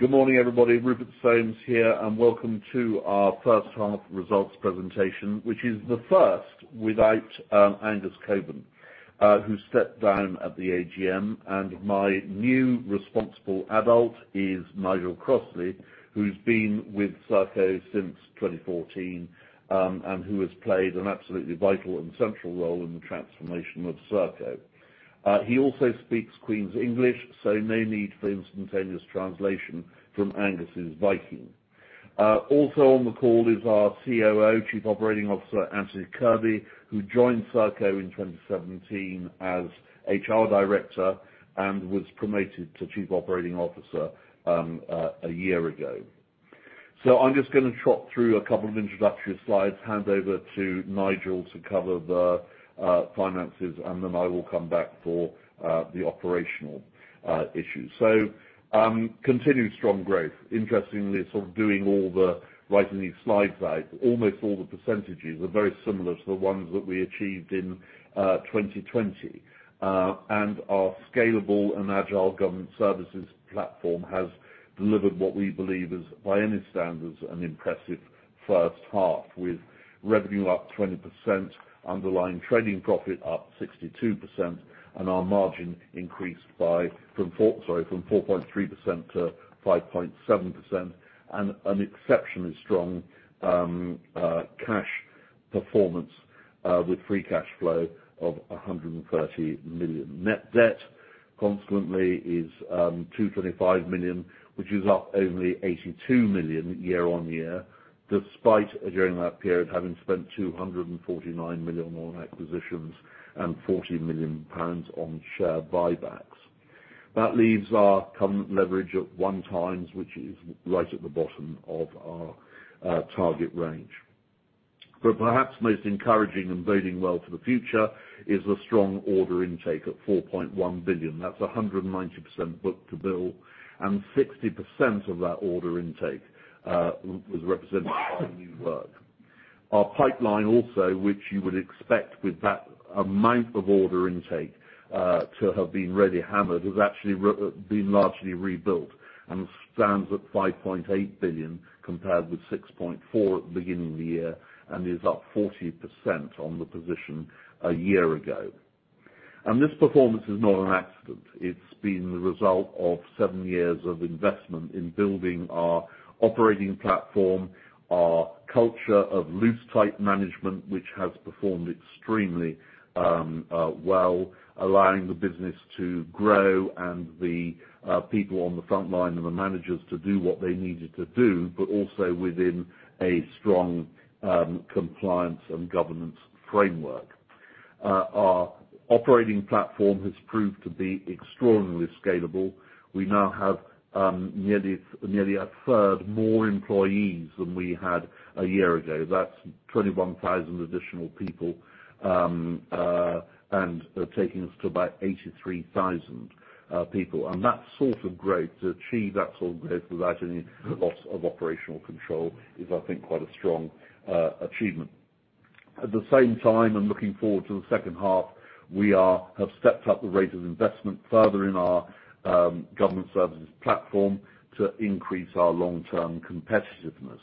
Good morning, everybody. Rupert Soames here. Welcome to our first half results presentation, which is the first without Angus Cockburn, who stepped down at the AGM. My new responsible adult is Nigel Crossley, who's been with Serco since 2014, and who has played an absolutely vital and central role in the transformation of Serco. He also speaks Queen's English. No need for instantaneous translation from Angus's Viking. Also on the call is our COO, Chief Operating Officer, Anthony Kirby, who joined Serco in 2017 as HR director and was promoted to Chief Operating Officer a year ago. I'm just going to trot through a couple of introductory slides, hand over to Nigel to cover the finances, and then I will come back for the operational issues. Continued strong growth. Interestingly, sort of doing all the writing these slides out, almost all the percentages are very similar to the ones that we achieved in 2020. Our scalable and agile government services platform has delivered what we believe is, by any standards, an impressive first half, with revenue up 20%, underlying trading profit up 62%, and our margin increased from 4.3% to 5.7%, and an exceptionally strong cash performance with free cash flow of 130 million. Net debt, consequently, is 225 million, which is up only 82 million year-on-year, despite during that period, having spent 249 million on acquisitions and 40 million pounds on share buybacks. That leaves our current leverage at 1x, which is right at the bottom of our target range. Perhaps most encouraging and boding well for the future is the strong order intake of 4.1 billion. That's 190% book-to-bill, and 60% of that order intake was represented by new work. Our pipeline also, which you would expect with that amount of order intake, to have been really hammered, has actually been largely rebuilt and stands at 5.8 billion, compared with 6.4 billion at the beginning of the year, and is up 40% on the position a year ago. This performance is not an accident. It's been the result of seven years of investment in building our operating platform, our culture of loose-tight management, which has performed extremely well, allowing the business to grow and the people on the frontline and the managers to do what they needed to do, but also within a strong compliance and governance framework. Our operating platform has proved to be extraordinarily scalable. We now have nearly a third more employees than we had a year ago. That's 21,000 additional people, and taking us to about 83,000 people. To achieve that sort of growth without any loss of operational control is, I think, quite a strong achievement. At the same time, and looking forward to the second half, we have stepped up the rate of investment further in our government services platform to increase our long-term competitiveness.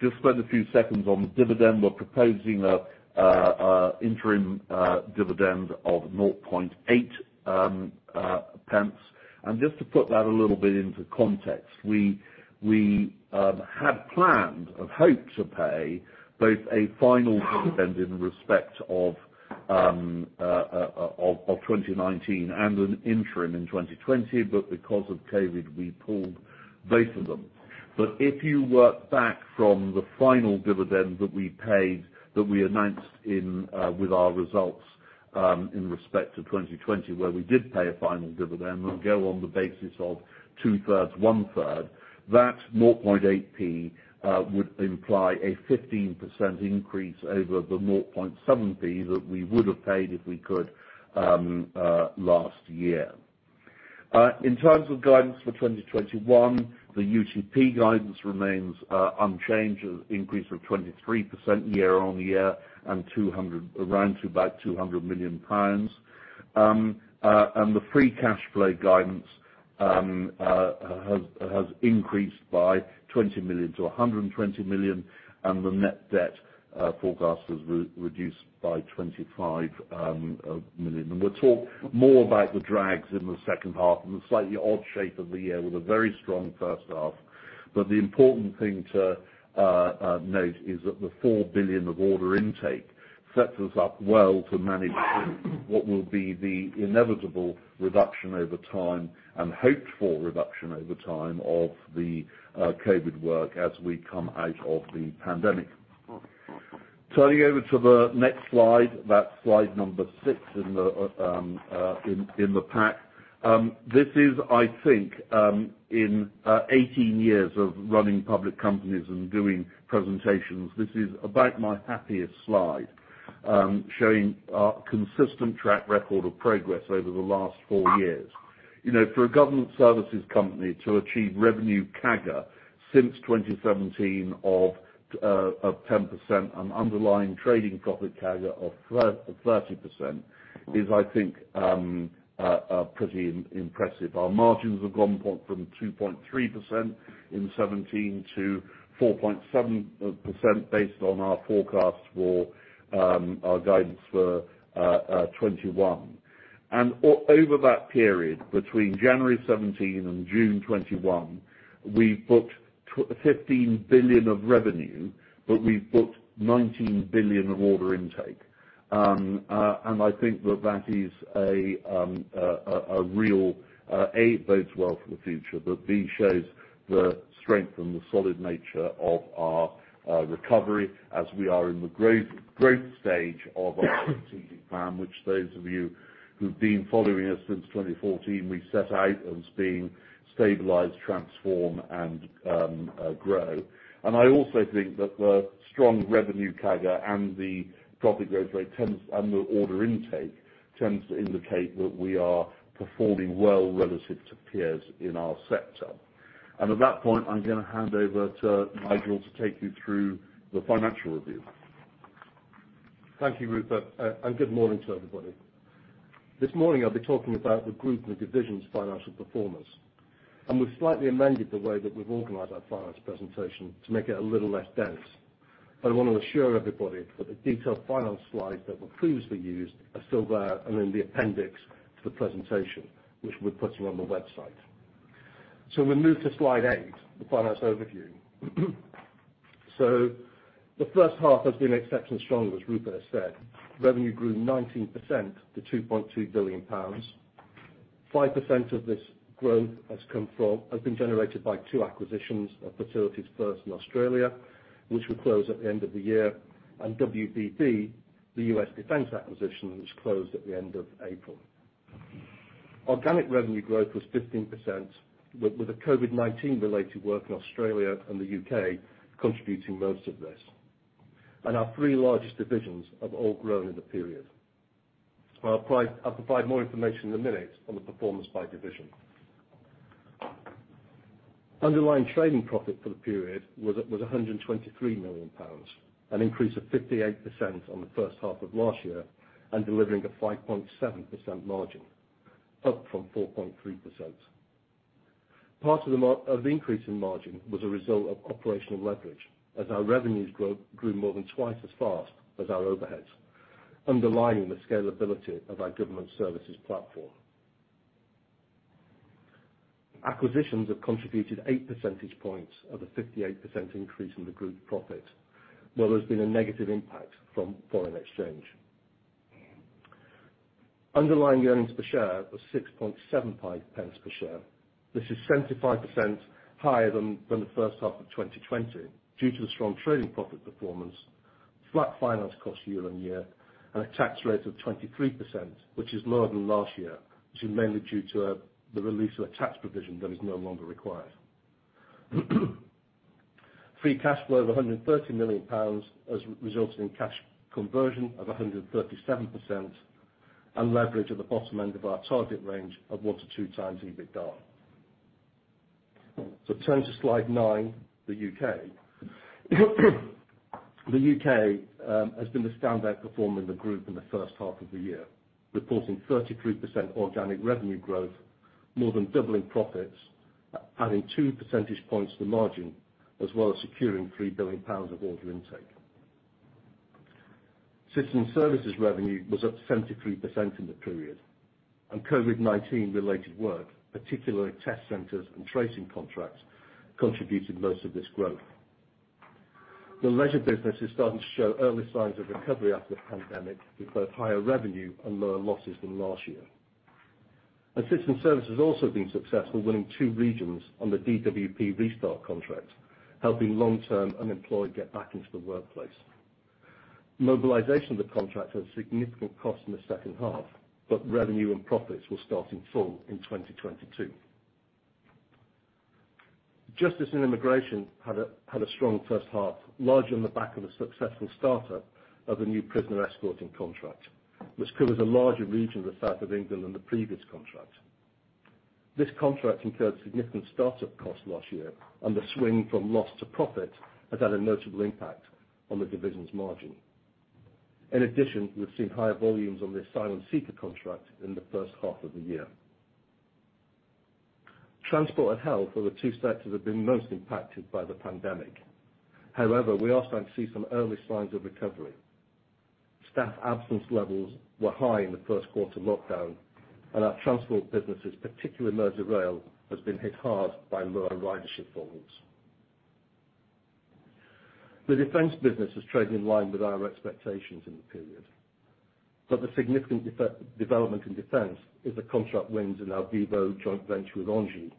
Just spend a few seconds on the dividend. We're proposing an interim dividend of 0.008. Just to put that a little bit into context, we had planned and hoped to pay both a final dividend in respect of 2019 and an interim in 2020, but because of COVID, we pulled both of them. If you work back from the final dividend that we paid, that we announced with our results in respect to 2020, where we did pay a final dividend and go on the basis of 2/3, 1/3, that 0.008 would imply a 15% increase over the 0.007 that we would have paid if we could last year. In terms of guidance for 2021, the UTP guidance remains unchanged, an increase of 23% year-on-year and around to about 200 million pounds. The free cash flow guidance has increased by 20 million to 120 million, and the net debt forecast has reduced by 25 million. We'll talk more about the drags in the second half and the slightly odd shape of the year with a very strong first half. The important thing to note is that the 4 billion of order intake sets us up well to manage what will be the inevitable reduction over time and hoped-for reduction over time of the COVID work as we come out of the pandemic. Turning over to the next slide, that's slide number six in the pack. This is, I think, in 18 years of running public companies and doing presentations, this is about my happiest slide. Showing our consistent track record of progress over the last four years. For a government services company to achieve revenue CAGR since 2017 of 10% and underlying trading profit CAGR of 30% is, I think, pretty impressive. Our margins have gone from 2.3% in 2017 to 4.7% based on our forecast for our guidance for 2021. Over that period, between January 2017 and June 2021, we've booked 15 billion of revenue, but we've booked 19 billion of order intake. I think that that bodes well for the future, but shows the strength and the solid nature of our recovery as we are in the growth stage of our strategic plan, which those of you who've been following us since 2014, we set out as being stabilized, transform, and grow. I also think that the strong revenue CAGR and the profit growth rate and the order intake tends to indicate that we are performing well relative to peers in our sector. At that point, I'm going to hand over to Nigel to take you through the financial review. Thank you, Rupert, good morning to everybody. This morning I'll be talking about the Group and the division's financial performance. We've slightly amended the way that we've organized our finance presentation to make it a little less dense. I want to assure everybody that the detailed finance slides that were previously used are still there and in the appendix to the presentation, which we've put on the website. We move to slide eight, the finance overview. The first half has been exceptionally strong, as Rupert has said. Revenue grew 19% to 2.2 billion pounds. 5% of this growth has been generated by two acquisitions of Facilities First in Australia, which will close at the end of the year, and WBB, the U.S. Defense acquisition, which closed at the end of April. Organic revenue growth was 15%, with the COVID-19-related work in Australia and the U.K. contributing most of this. Our three largest divisions have all grown in the period. I'll provide more information in a minute on the performance by division. Underlying trading profit for the period was 123 million pounds, an increase of 58% on the first half of last year, delivering a 5.7% margin, up from 4.3%. Part of the increase in margin was a result of operational leverage as our revenues grew more than twice as fast as our overheads, underlying the scalability of our government services platform. Acquisitions have contributed 8 percentage points of a 58% increase in the Group profit, where there's been a negative impact from foreign exchange. Underlying earnings per share was 0.0675 per share. This is 75% higher than the first half of 2020 due to the strong trading profit performance, flat finance cost year-on-year, and a tax rate of 23%, which is lower than last year, mainly due to the release of a tax provision that is no longer required. Free cash flow of 130 million pounds has resulted in cash conversion of 137% and leverage at the bottom end of our target range of 1x-2x EBITDA. Turn to slide nine, the U.K. The U.K. has been the standout performer in the Group in the first half of the year, reporting 33% organic revenue growth, more than doubling profits, adding 2 percentage points to the margin, as well as securing 3 billion pounds of order intake. Citizen Services revenue was up 73% in the period, and COVID-19-related work, particularly test centers and tracing contracts, contributed most of this growth. The Leisure business is starting to show early signs of recovery after the pandemic, with both higher revenue and lower losses than last year. Citizen Services has also been successful, winning two regions on the DWP Restart contract, helping long-term unemployed get back into the workplace. Mobilization of the contract has significant cost in the second half, but revenue and profits will start in full in 2022. Justice & Immigration had a strong first half, largely on the back of a successful startup of a new prisoner escorting contract, which covers a larger region of the south of England than the previous contract. This contract incurred significant startup costs last year, and the swing from loss to profit has had a notable impact on the division's margin. In addition, we've seen higher volumes on the asylum seeker contract in the first half of the year. Transport and Health are the two sectors that have been most impacted by the pandemic. We are starting to see some early signs of recovery. Staff absence levels were high in the first quarter lockdown, our Transport businesses, particularly Merseyrail, has been hit hard by lower ridership volumes. The Defence business is trading in line with our expectations in the period. The significant development in Defence is the contract wins in our VIVO joint venture with ENGIE,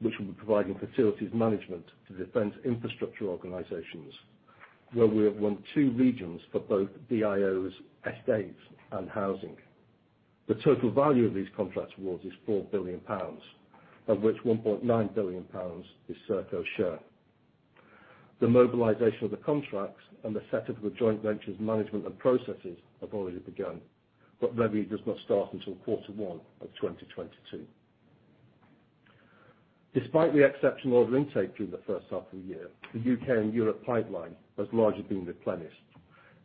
which will be providing facilities management to Defence Infrastructure Organisation, where we have won two regions for both DIO's Estates and Housing. The total value of these contract awards is 4 billion pounds, of which 1.9 billion pounds is Serco's share. The mobilization of the contracts and the setup of the joint ventures management and processes have already begun, revenue does not start until quarter one of 2022. Despite the exceptional order intake during the first half of the year, the U.K. and Europe pipeline has largely been replenished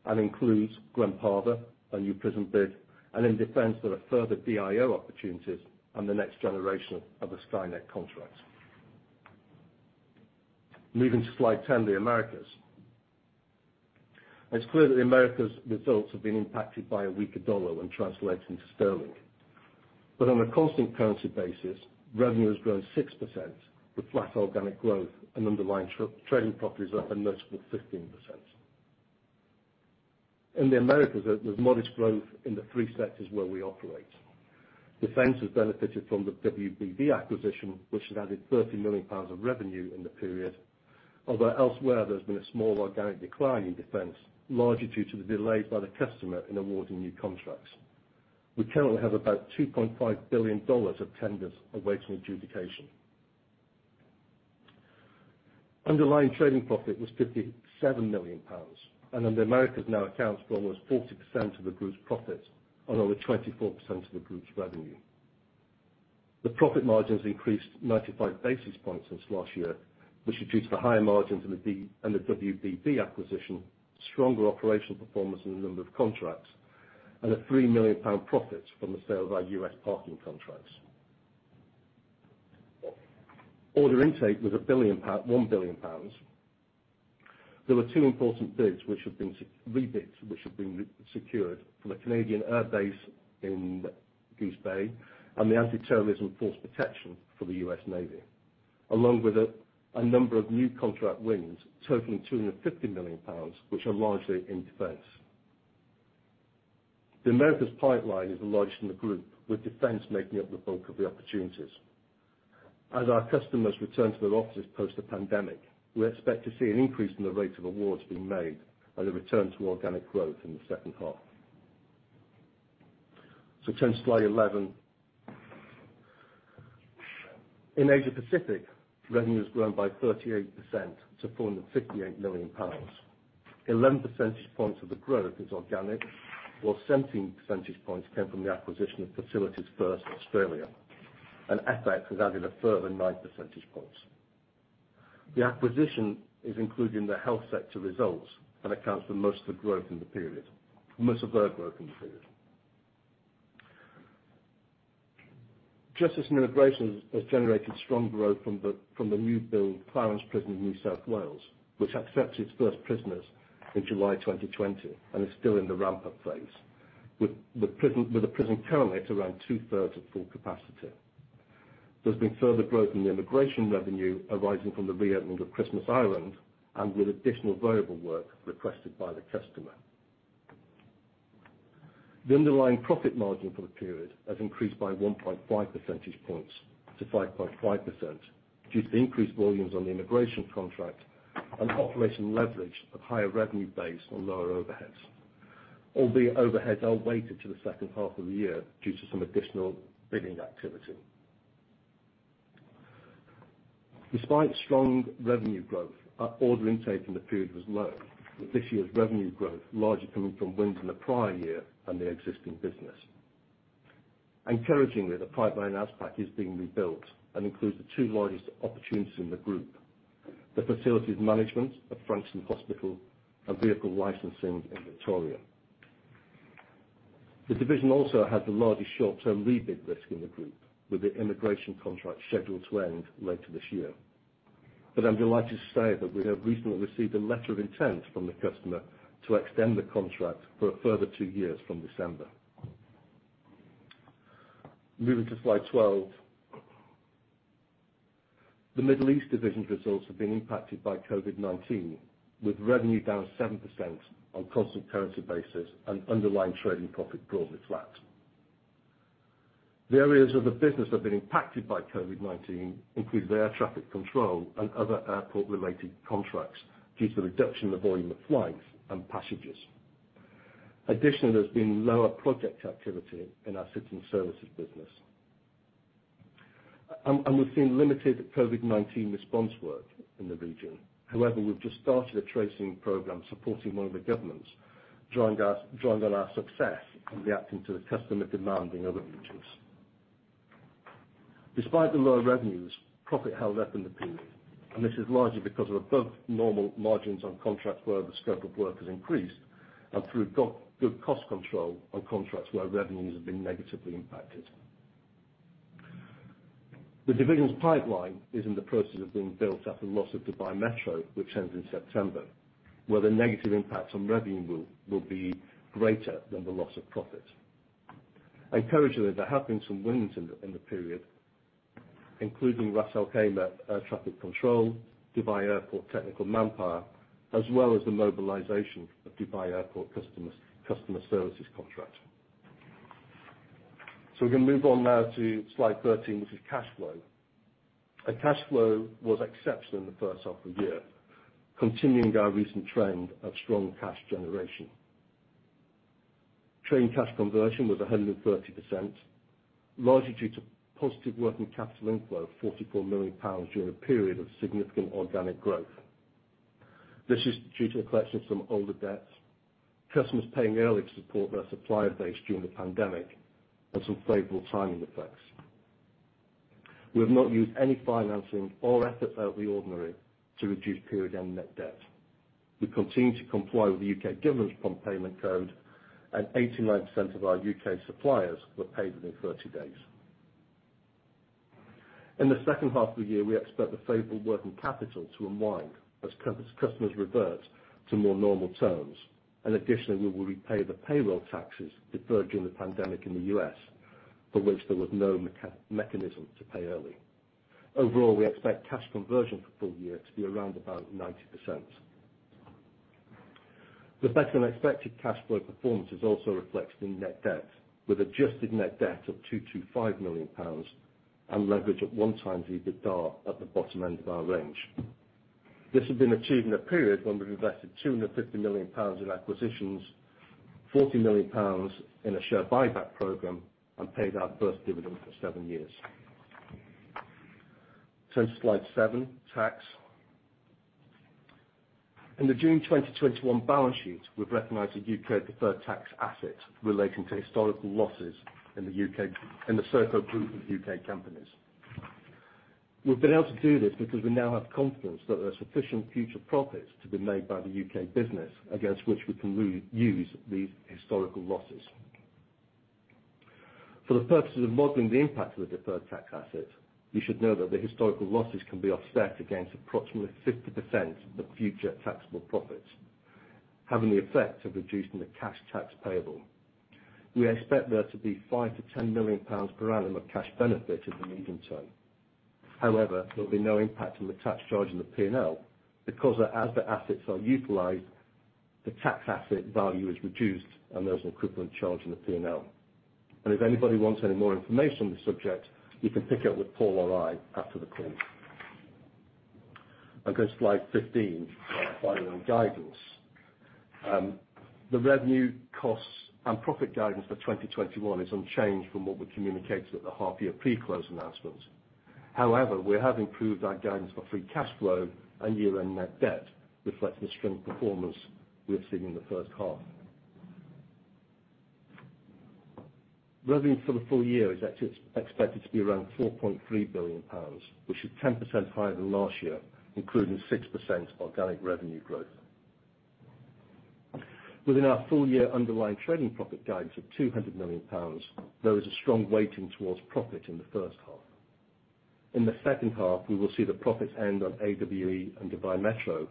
and includes Glen Parva, a new prison bid, and in Defense, there are further DIO opportunities and the next generation of the Skynet contract. Moving to slide 10, the Americas. It's clear that the Americas results have been impacted by a weaker dollar when translating to sterling. On a constant currency basis, revenue has grown 6%, with flat organic growth and underlying trading profit is up a noticeable 15%. In the Americas, there was modest growth in the three sectors where we operate. Defense has benefited from the WBB acquisition, which has added 30 million pounds of revenue in the period, although elsewhere, there's been a small organic decline in Defense, largely due to the delays by the customer in awarding new contracts. We currently have about $2.5 billion of tenders awaiting adjudication. Underlying trading profit was 57 million pounds and the Americas now accounts for almost 40% of the Group's profit on over 24% of the Group's revenue. The profit margins increased 95 basis points since last year, which is due to the higher margins in the WBB acquisition, stronger operational performance in a number of contracts, and a 3 million pound profit from the sale of our U.S. parking contracts. Order intake was 1 billion pounds. There were two important rebids which have been secured from a Canadian airbase in Goose Bay and the Anti-Terrorism/Force Protection for the U.S. Navy, along with a number of new contract wins totaling 250 million pounds, which are largely in defense. The Americas pipeline is the largest in the Group, with Defense making up the bulk of the opportunities. As our customers return to their offices post the pandemic, we expect to see an increase in the rate of awards being made and a return to organic growth in the second half. Turning to slide 11. In Asia-Pacific, revenue has grown by 38% to 458 million pounds. 11 percentage points of the growth is organic, while 17 percentage points came from the acquisition of Facilities First Australia, and AsPac has added a further 9 percentage points. The acquisition is included in the health sector results and accounts for most of the growth in the period. Justice & Immigration has generated strong growth from the new-build Clarence Correctional Centre in New South Wales, which accepted its first prisoners in July 2020 and is still in the ramp-up phase, with the prison currently at around two-thirds of full capacity. There's been further growth in the Immigration revenue arising from the re-open of Christmas Island and with additional variable work requested by the customer. The underlying profit margin for the period has increased by 1.5 percentage points to 5.5%, due to increased volumes on the immigration contract and operational leverage of higher revenue base on lower overheads, albeit overheads are weighted to the second half of the year due to some additional bidding activity. Despite strong revenue growth, our order intake in the period was low, with this year's revenue growth largely coming from wins in the prior year and the existing business. Encouragingly, the pipeline in AsPac is being rebuilt and includes the two largest opportunities in the Group, the facilities management of Frankston Hospital and Vehicle Licensing in Victoria. The division also has the largest short-term rebid risk in the Group, with the immigration contract scheduled to end later this year. I'm delighted to say that we have recently received a letter of intent from the customer to extend the contract for a further two years from December. Moving to slide 12. The Middle East division's results have been impacted by COVID-19, with revenue down 7% on a constant currency basis and underlying trading profit broadly flat. The areas of the business that have been impacted by COVID-19 include air traffic control and other airport-related contracts due to the reduction in the volume of flights and passengers. Additionally, there's been lower project activity in our Citizen Services business. We've seen limited COVID-19 response work in the region. However, we've just started a tracing program supporting one of the governments, drawing on our success and reacting to the customer demand in other regions. Despite the lower revenues, profit held up in the period, and this is largely because of above-normal margins on contracts where the scope of work has increased and through good cost control on contracts where revenues have been negatively impacted. The division's pipeline is in the process of being built after the loss of Dubai Metro, which ends in September, where the negative impact on revenue will be greater than the loss of profit. Encouragingly, there have been some wins in the period, including Ras Al Khaimah air traffic control, Dubai Airport technical manpower, as well as the mobilization of Dubai Airport customer services contract. We can move on now to slide 13, which is cash flow. Our cash flow was exceptional in the first half of the year, continuing our recent trend of strong cash generation. Trading cash conversion was 130%, largely due to positive working capital inflow of 44 million pounds during a period of significant organic growth. This is due to the collection of some older debts, customers paying early to support their supplier base during the pandemic, and some favorable timing effects. We have not used any financing or effort out of the ordinary to reduce period-end net debt. We continue to comply with the U.K. government's Prompt Payment Code, and 89% of our U.K. suppliers were paid within 30 days. In the second half of the year, we expect the favorable working capital to unwind as customers revert to more normal terms. Additionally, we will repay the payroll taxes deferred during the pandemic in the U.S., for which there was no mechanism to pay early. Overall, we expect cash conversion for full-year to be around about 90%. The better-than-expected cash flow performance is also reflected in net debt, with adjusted net debt of 225 million pounds and leverage of 1x EBITDA at the bottom end of our range. This has been achieved in a period when we've invested 250 million pounds in acquisitions, 40 million pounds in a share buyback program, and paid our first dividend for seven years. Turn to slide 14, tax. In the June 2021 balance sheet, we've recognized a U.K. deferred tax asset relating to historical losses in the Serco Group of U.K. companies. We've been able to do this because we now have confidence that there are sufficient future profits to be made by the U.K. business against which we can use these historical losses. For the purposes of modeling the impact of the deferred tax asset, you should know that the historical losses can be offset against approximately 50% of the future taxable profits, having the effect of reducing the cash tax payable. We expect there to be 5 million-10 million pounds per annum of cash benefit in the medium term. However, there will be no impact on the tax charge in the P&L because as the assets are utilized, the tax asset value is reduced and there's an equivalent charge in the P&L. If anybody wants any more information on the subject, you can pick up with Paul or I after the call. Go to slide 15, our final on guidance. The revenue costs and profit guidance for 2021 is unchanged from what we communicated at the half-year pre-close announcement. However, we have improved our guidance for free cash flow and year-end net debt, reflecting the strong performance we have seen in the first half. Revenue for the full year is expected to be around 4.3 billion pounds, which is 10% higher than last year, including 6% organic revenue growth. Within our full-year underlying trading profit guidance of 200 million pounds, there is a strong weighting towards profit in the first half. In the second half, we will see the profits end on AWE and Dubai Metro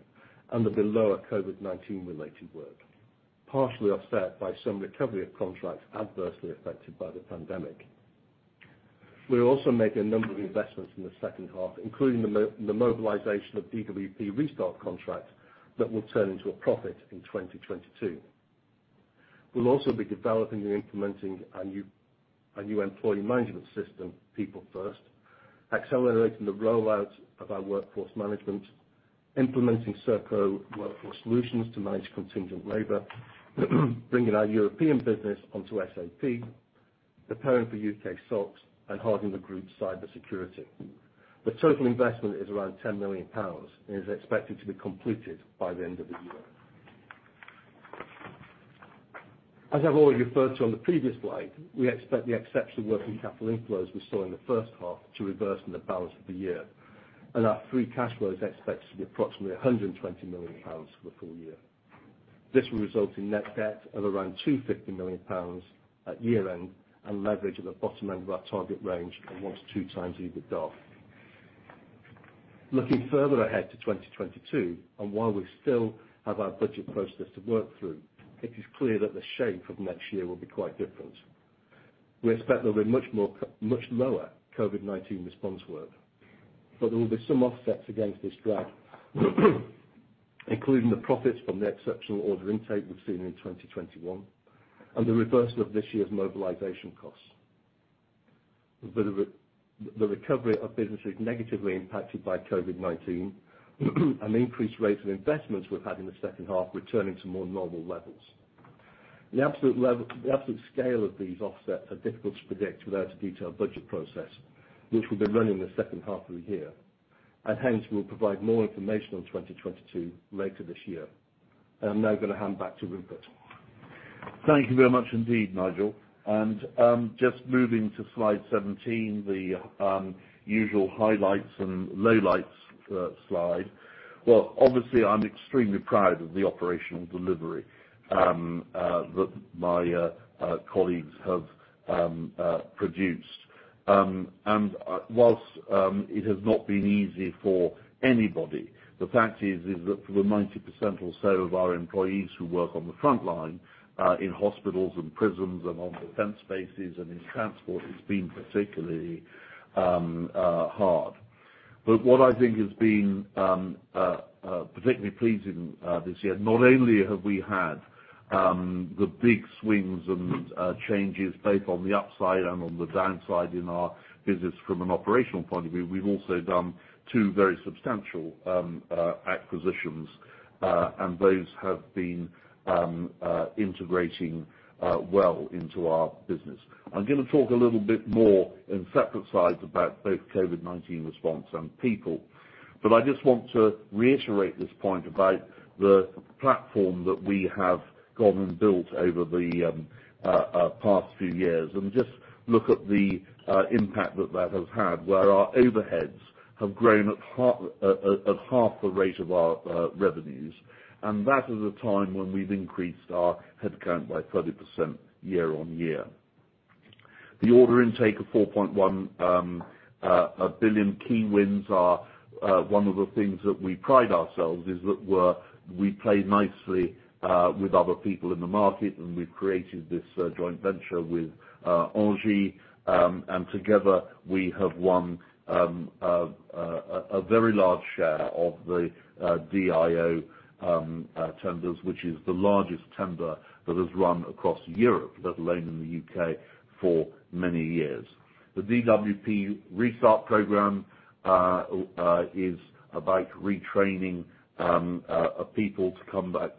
under the lower COVID-19 related work, partially offset by some recovery of contracts adversely affected by the pandemic. We are also making a number of investments in the second half, including the mobilization of DWP Restart contracts that will turn into a profit in 2022. We will also be developing and implementing a new employee management system, People First, accelerating the rollout of our workforce management, implementing Serco Workforce Solutions to manage contingent labor, bringing our European business onto SAP, preparing for U.K. SOX, and hardening the Group's cybersecurity. The total investment is around 10 million pounds and is expected to be completed by the end of the year. As I have already referred to on the previous slide, we expect the exceptional working capital inflows we saw in the first half to reverse in the balance of the year, and our free cash flow is expected to be approximately 120 million pounds for the full year. This will result in net debt of around 250 million pounds at year-end, and leverage at the bottom end of our target range of 1x-2x EBITDA. Looking further ahead to 2022, while we still have our budget process to work through, it is clear that the shape of next year will be quite different. We expect there'll be much lower COVID-19 response work, but there will be some offsets against this drag, including the profits from the exceptional order intake we've seen in 2021, and the reversal of this year's mobilization costs, the recovery of businesses negatively impacted by COVID-19 and the increased rates of investments we've had in the second half returning to more normal levels. The absolute scale of these offsets are difficult to predict without a detailed budget process, which we'll be running in the second half of the year, and hence we'll provide more information on 2022 later this year. I'm now going to hand back to Rupert. Thank you very much indeed, Nigel. Just moving to slide 17, the usual highlights and lowlights slide. Well, obviously, I'm extremely proud of the operational delivery that my colleagues have produced. Whilst it has not been easy for anybody, the fact is that for the 90% or so of our employees who work on the front line, in hospitals and prisons and on defense bases and in transport, it's been particularly hard. What I think has been particularly pleasing this year, not only have we had the big swings and changes both on the upside and on the downside in our business from an operational point of view, we've also done two very substantial acquisitions, and those have been integrating well into our business. I'm going to talk a little bit more in separate slides about both COVID-19 response and people. I just want to reiterate this point about the platform that we have gone and built over the past few years, and just look at the impact that that has had, where our overheads have grown at half the rate of our revenues. That at a time when we've increased our headcount by 30% year-on-year. The order intake of 4.1 billion. Key wins are one of the things that we pride ourselves is that we play nicely with other people in the market, and we've created this joint venture with ENGIE, and together we have won a very large share of the DIO tenders, which is the largest tender that has run across Europe, let alone in the U.K., for many years. The DWP Restart programme is about retraining people to come back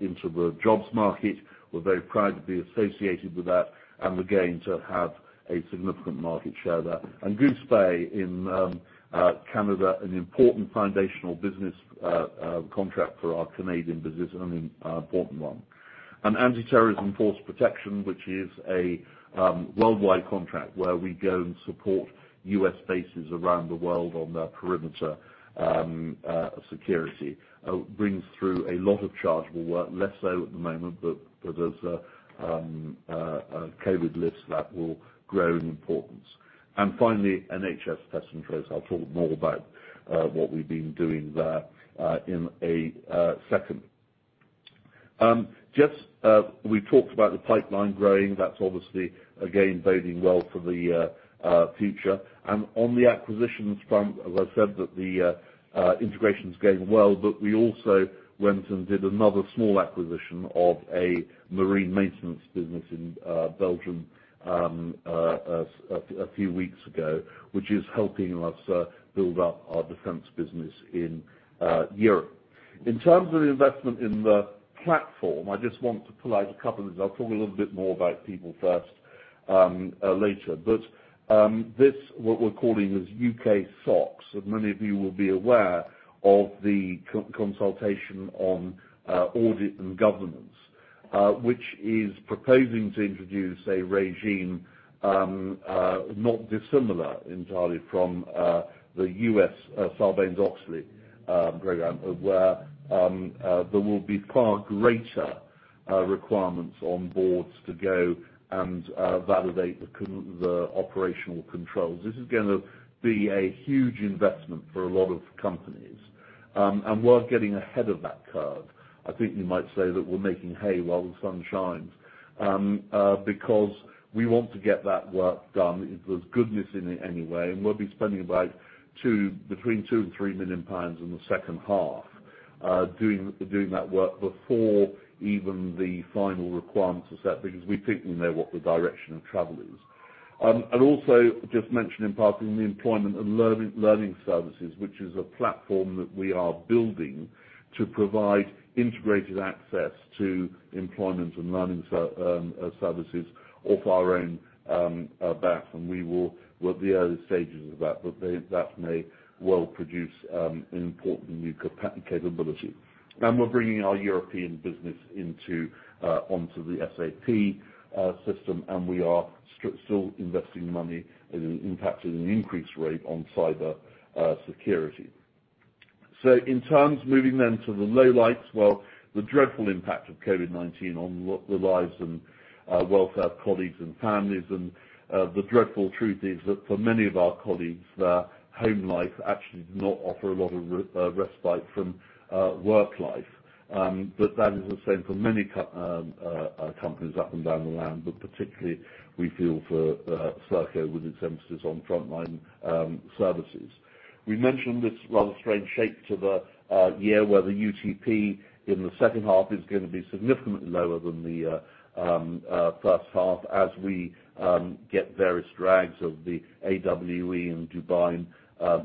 into the jobs market. We're very proud to be associated with that, again, to have a significant market share there. Goose Bay in Canada, an important foundational business contract for our Canadian business, an important one. Anti-Terrorism/Force Protection, which is a worldwide contract where we go and support U.S. bases around the world on their perimeter security. Brings through a lot of chargeable work, less so at the moment, but as COVID lifts, that will grow in importance. Finally, NHS Test & Trace. I'll talk more about what we've been doing there in a second. We talked about the pipeline growing. That's obviously, again, boding well for the future. On the acquisitions front, as I said that the integration's going well, but we also went and did another small acquisition of a marine maintenance business in Belgium a few weeks ago, which is helping us build up our Defense business in Europe. In terms of the investment in the platform, I just want to pull out a couple of these. I'll talk a little bit more about People First later. This, what we're calling this U.K. SOX, and many of you will be aware of the consultation on Audit and Corporate Governance, which is proposing to introduce a regime not dissimilar entirely from the U.S. Sarbanes-Oxley program, where there will be far greater requirements on boards to go and validate the operational controls. This is going to be a huge investment for a lot of companies. We're getting ahead of that curve. I think you might say that we're making hay while the sun shines. We want to get that work done. There's goodness in it anyway, and we'll be spending between 2 million and 3 million pounds in the second half doing that work before even the final requirements are set because we think we know what the direction of travel is. Just mention in passing the employment and learning services, which is a platform that we are building to provide integrated access to employment and learning services off our own back. We're at the early stages of that, but that may well produce an important new capability. We're bringing our European business onto the SAP system, and we are still investing money in fact, at an increased rate, on cybersecurity. Moving to the lowlights. Well, the dreadful impact of COVID-19 on the lives and welfare of colleagues and families, and the dreadful truth is that for many of our colleagues, their home life actually does not offer a lot of respite from work life. That is the same for many companies up and down the land, but particularly we feel for Serco with its emphasis on frontline services. We mentioned this rather strange shape to the year where the UTP in the second half is going to be significantly lower than the first half as we get various drags of the AWE and Dubai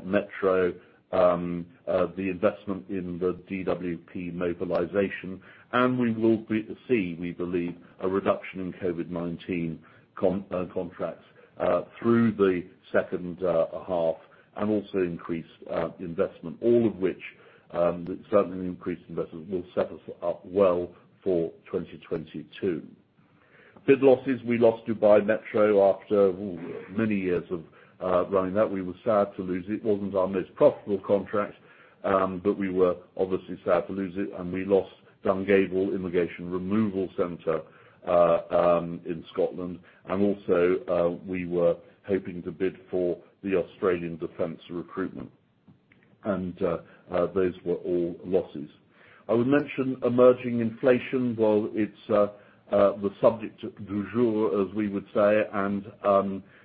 Metro, the investment in the DWP mobilization, and we will see, we believe, a reduction in COVID-19 contracts through the second half and also increased investment, all of which, certainly the increased investment, will set us up well for 2022. Bid losses, we lost Dubai Metro after, ooh, many years of running that. We were sad to lose it. It wasn't our most profitable contract, but we were obviously sad to lose it, and we lost Dungavel Immigration Removal Center in Scotland. Also, we were hoping to bid for the Australian defense recruitment. Those were all losses. I would mention emerging inflation. Well, it's the subject du jour, as we would say.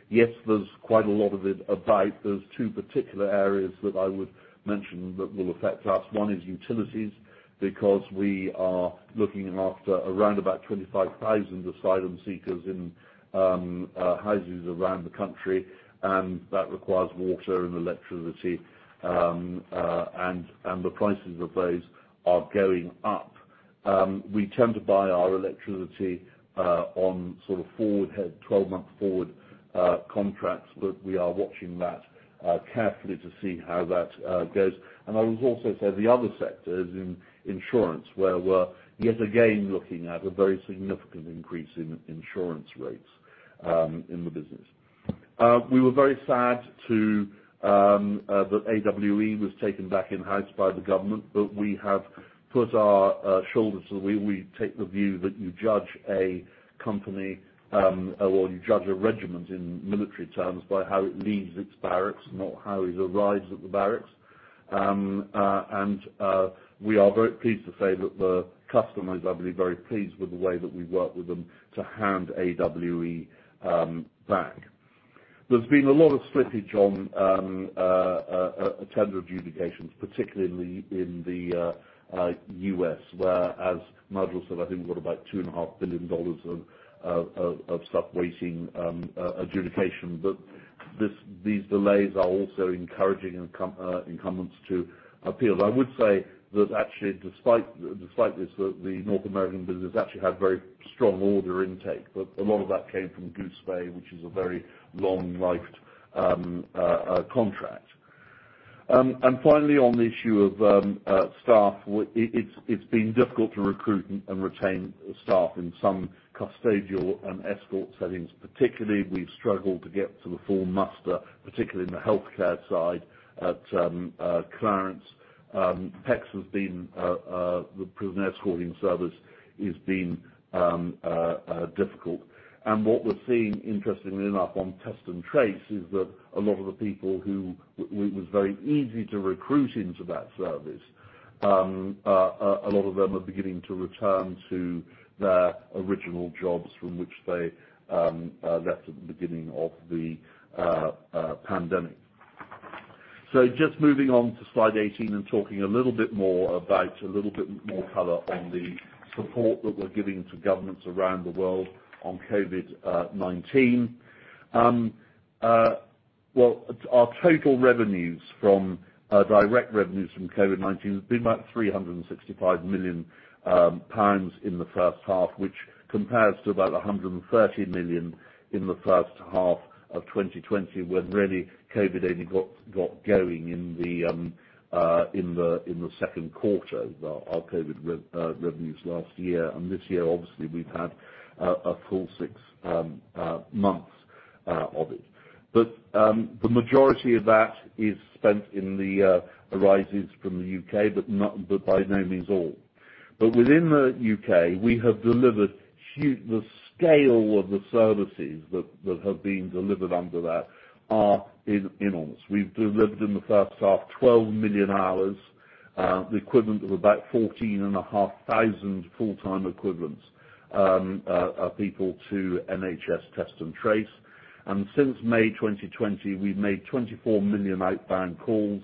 Yes, there's quite a lot of it about. There's two particular areas that I would mention that will affect us. One is utilities, because we are looking after around about 25,000 asylum seekers in houses around the country, and that requires water and electricity, and the prices of those are going up. We tend to buy our electricity on sort of forward hedge, 12-month forward contracts, we are watching that carefully to see how that goes. I would also say the other sector is in insurance, where we're, yet again, looking at a very significant increase in insurance rates in the business. We were very sad that AWE was taken back in-house by the government, we have put our shoulder to the wheel. We take the view that you judge a company, or you judge a regiment in military terms, by how it leaves its barracks, not how it arrives at the barracks. We are very pleased to say that the customer is, I believe, very pleased with the way that we worked with them to hand AWE back. There's been a lot of slippage on tender adjudications, particularly in the U.S. where, as Nigel said, I think we've got about $2.5 billion of stuff waiting adjudication. These delays are also encouraging incumbents to appeal. I would say that actually, despite this, the North American business actually had very strong order intake, but a lot of that came from Goose Bay, which is a very long-lived contract. Finally, on the issue of staff, it's been difficult to recruit and retain staff in some custodial and escort settings. Particularly, we've struggled to get to the full muster, particularly in the healthcare side at Clarence. PECS, the prisoner escorting service, has been difficult. What we're seeing, interestingly enough, on Test & Trace is that a lot of the people who it was very easy to recruit into that service, a lot of them are beginning to return to their original jobs from which they left at the beginning of the pandemic. Just moving on to slide 18 and talking a little bit more color on the support that we're giving to governments around the world on COVID-19. Our total revenues from direct revenues from COVID-19 has been about 365 million pounds in the first half, which compares to about 130 million in the first half of 2020, when really COVID only got going in the second quarter of our COVID revenues last year. This year, obviously, we've had a full six months of it. The majority of that arises from the U.K., but by no means all. Within the U.K., the scale of the services that have been delivered under that are enormous. We've delivered in the first half 12 million hours, the equivalent of about 14,500 full-time equivalents people to NHS Test & Trace. Since May 2020, we've made 24 million outbound calls.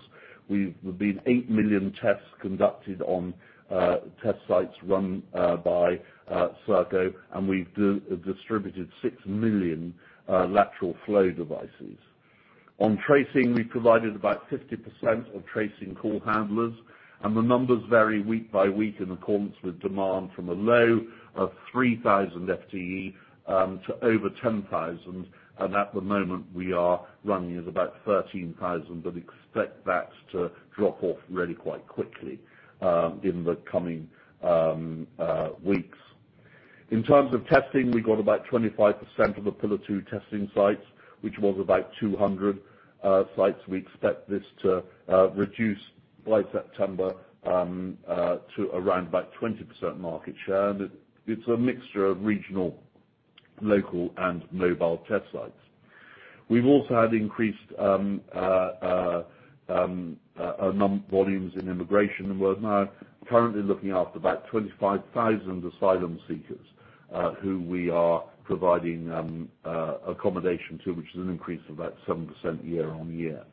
There've been 8 million tests conducted on test sites run by Serco, and we've distributed 6 million lateral flow devices. On tracing, we provided about 50% of tracing call handlers, and the numbers vary week by week in accordance with demand from a low of 3,000 FTE to over 10,000. At the moment, we are running at about 13,000 but expect that to drop off really quite quickly in the coming weeks. In terms of testing, we got about 25% of the Pillar 2 testing sites, which was about 200 sites. We expect this to reduce by September to around about 20% market share. It's a mixture of regional, local, and mobile test sites. We've also had increased volumes in immigration, and we're now currently looking after about 25,000 asylum seekers who we are providing accommodation to, which is an increase of about 7% year-on-year.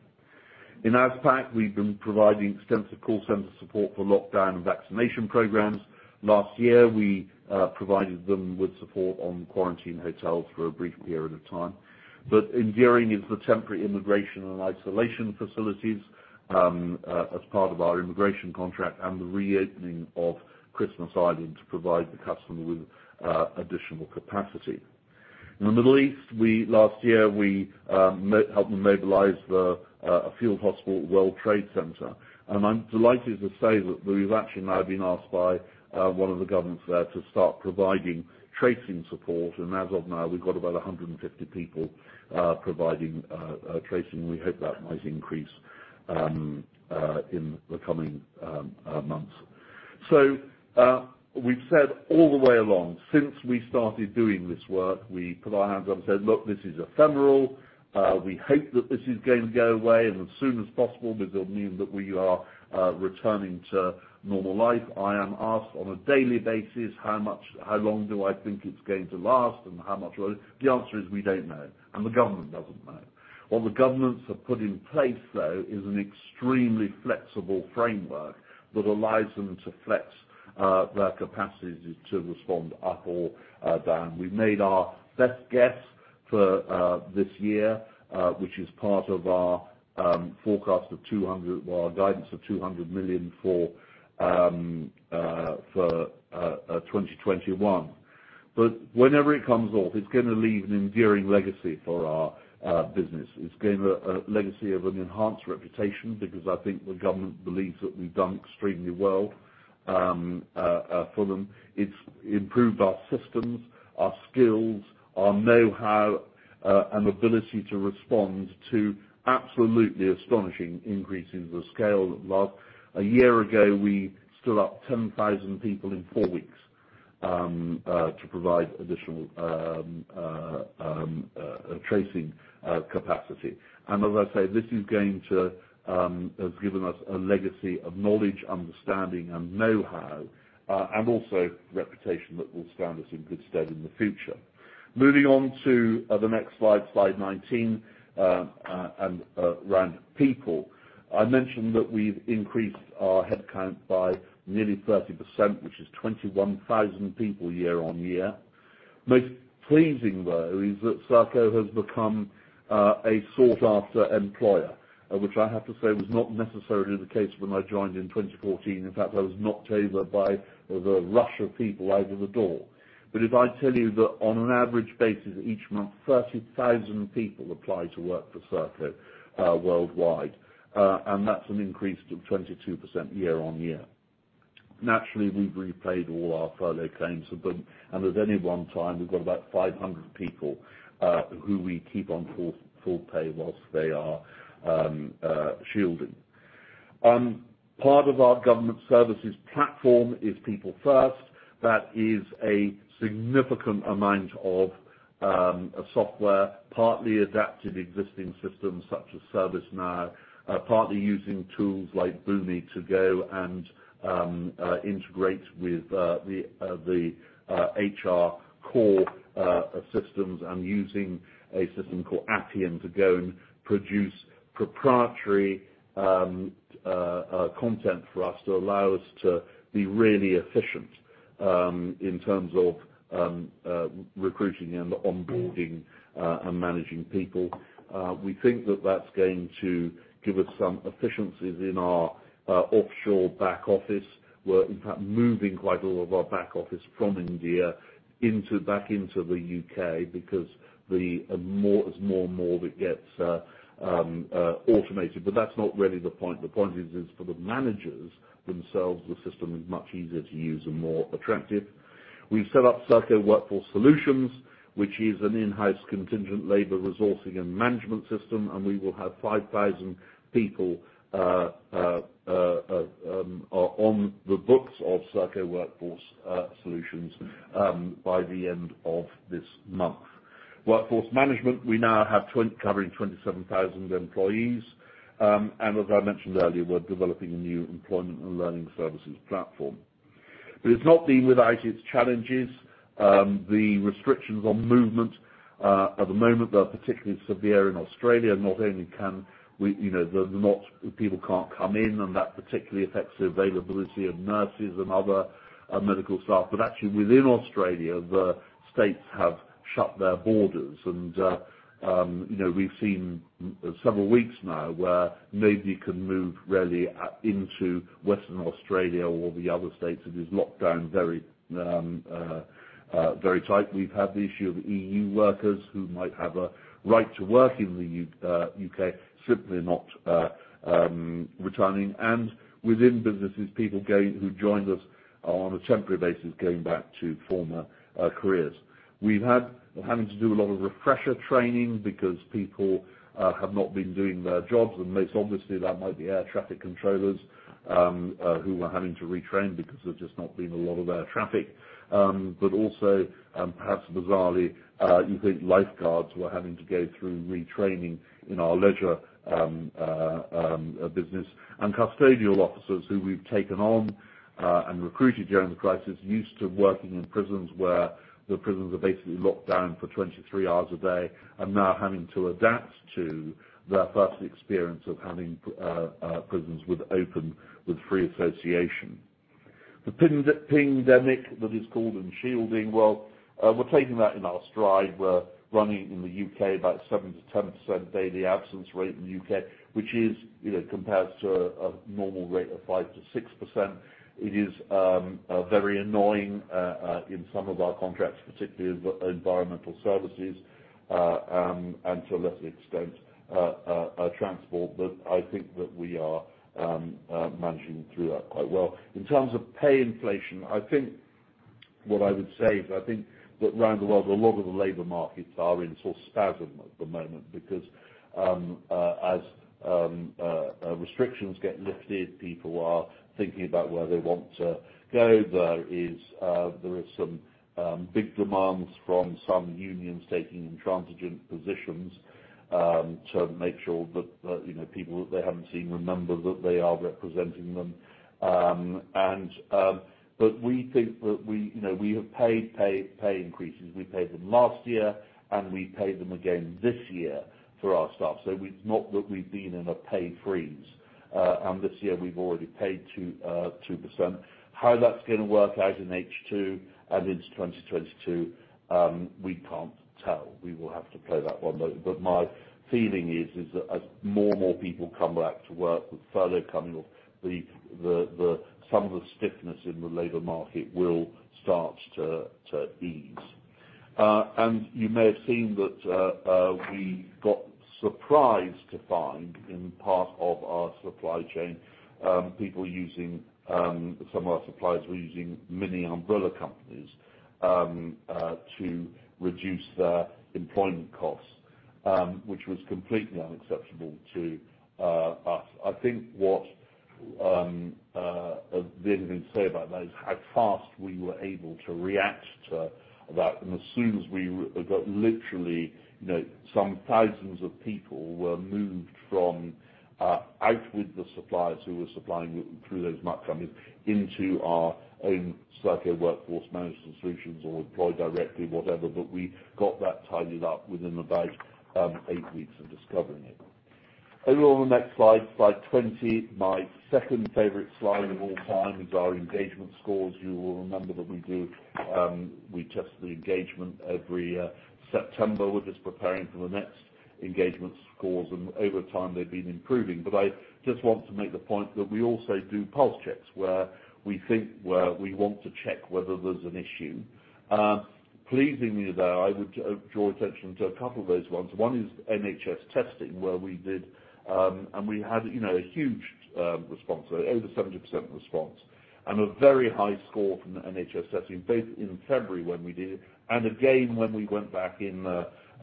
In AsPac, we've been providing extensive call center support for lockdown and vaccination programs. Last year, we provided them with support on quarantine hotels for a brief period of time. Enduring is the temporary immigration and isolation facilities as part of our immigration contract and the reopening of Christmas Island to provide the customer with additional capacity. In the Middle East, last year, we helped them mobilize a field hospital at World Trade Center. I'm delighted to say that we've actually now been asked by one of the governments there to start providing tracing support. As of now, we've got about 150 people providing tracing. We hope that might increase in the coming months. We've said all the way along, since we started doing this work, we put our hands up and said, "Look, this is ephemeral." We hope that this is going to go away, and as soon as possible, because it'll mean that we are returning to normal life. I am asked on a daily basis how long do I think it's going to last and how much will it. The answer is we don't know, and the government doesn't know. What the governments have put in place, though, is an extremely flexible framework that allows them to flex their capacity to respond up or down. We made our best guess for this year, which is part of our guidance of 200 million for 2021. Whenever it comes off, it's going to leave an enduring legacy for our business. It's going to be a legacy of an enhanced reputation because I think the government believes that we've done extremely well for them. It's improved our systems, our skills, our know-how, and ability to respond to absolutely astonishing increases of scale. A year ago, we stood up 10,000 people in four weeks to provide additional tracing capacity. As I say, this has given us a legacy of knowledge, understanding, and know-how, and also reputation that will stand us in good stead in the future. Moving on to the next slide 19, around people. I mentioned that we've increased our headcount by nearly 30%, which is 21,000 people year on year. Most pleasing, though, is that Serco has become a sought-after employer, which I have to say was not necessarily the case when I joined in 2014. In fact, I was knocked over by the rush of people out of the door. If I tell you that on an average basis, each month, 30,000 people apply to work for Serco worldwide. That's an increase of 22% year-on-year. Naturally, we've repaid all our furlough claims, and at any one time, we've got about 500 people who we keep on full pay whilst they are shielding. Part of our government services platform is People First. That is a significant amount of software, partly adapted existing systems such as ServiceNow, partly using tools like Boomi to go and integrate with the HR core systems and using a system called Appian to go and produce proprietary content for us to allow us to be really efficient in terms of recruiting and onboarding and managing people. We think that that's going to give us some efficiencies in our offshore back office. We're in fact moving quite a lot of our back office from India back into the U.K. because there's more and more that gets automated. That's not really the point. The point is for the managers themselves, the system is much easier to use and more attractive. We've set up Serco Workforce Solutions, which is an in-house contingent labor resourcing and management system, and we will have 5,000 people on the books of Serco Workforce Solutions by the end of this month. Workforce management, we now have covering 27,000 employees. As I mentioned earlier, we're developing a new employment and learning services platform. It's not been without its challenges. The restrictions on movement at the moment are particularly severe in Australia. Not only people can't come in, and that particularly affects the availability of nurses and other medical staff, but actually within Australia, the states have shut their borders and we've seen several weeks now where nobody can move really into Western Australia or the other states. It is locked down very tight. We've had the issue of E.U. workers who might have a right to work in the U.K., simply not returning. Within businesses, people who joined us on a temporary basis, going back to former careers. We're having to do a lot of refresher training because people have not been doing their jobs. Most obviously that might be air traffic controllers who are having to retrain because there's just not been a lot of air traffic. Also, perhaps bizarrely, you think lifeguards were having to go through retraining in our Leisure business. Custodial officers who we've taken on and recruited during the crisis, used to working in prisons where the prisons are basically locked down for 23 hours a day, are now having to adapt to their first experience of having prisons with open, with free association. The pingdemic, that is called, and shielding. Well, we're taking that in our stride. We're running in the U.K. about 7%-10% daily absence rate in the U.K., which compares to a normal rate of 5%-6%. It is very annoying in some of our contracts, particularly environmental services, and to a lesser extent, transport. I think that we are managing through that quite well. In terms of pay inflation, what I would say is I think that around the world, a lot of the labor markets are in spasm at the moment because as restrictions get lifted, people are thinking about where they want to go. There is some big demands from some unions taking intransigent positions to make sure that people that they haven't seen remember that they are representing them. We think that we have paid pay increases. We paid them last year, and we paid them again this year for our staff. It's not that we've been in a pay freeze. This year we've already paid 2%. How that's going to work out in H2 and into 2022, we can't tell. We will have to play that one. My feeling is that as more and more people come back to work, the further coming of some of the stiffness in the labor market will start to ease. You may have seen that we got surprised to find in part of our supply chain, some of our suppliers were using Mini Umbrella Companies to reduce their employment costs, which was completely unacceptable to us. I think what say about that is how fast we were able to react to that. As soon as we got literally some thousands of people were moved from out with the suppliers who were supplying through those MUCs into our own Serco Workforce Solutions or employed directly, whatever. We got that tidied up within about eight weeks of discovering it. Over on the next slide 20, my second favorite slide of all time is our engagement scores. You will remember that we test the engagement every September. We're just preparing for the next engagement scores. Over time they've been improving. I just want to make the point that we also do pulse checks where we want to check whether there's an issue. Pleasingly, though, I would draw attention to a couple of those ones. One is NHS testing, where we did and we had a huge response, over 70% response, and a very high score from the NHS setting, both in February when we did it, and again when we went back in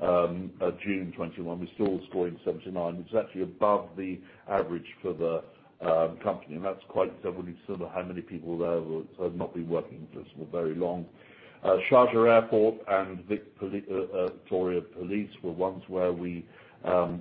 June 2021, we're still scoring 79. It's actually above the average for the company, and that's quite how many people there have not been working for very long. Sharjah Airport and Victoria Police were ones where we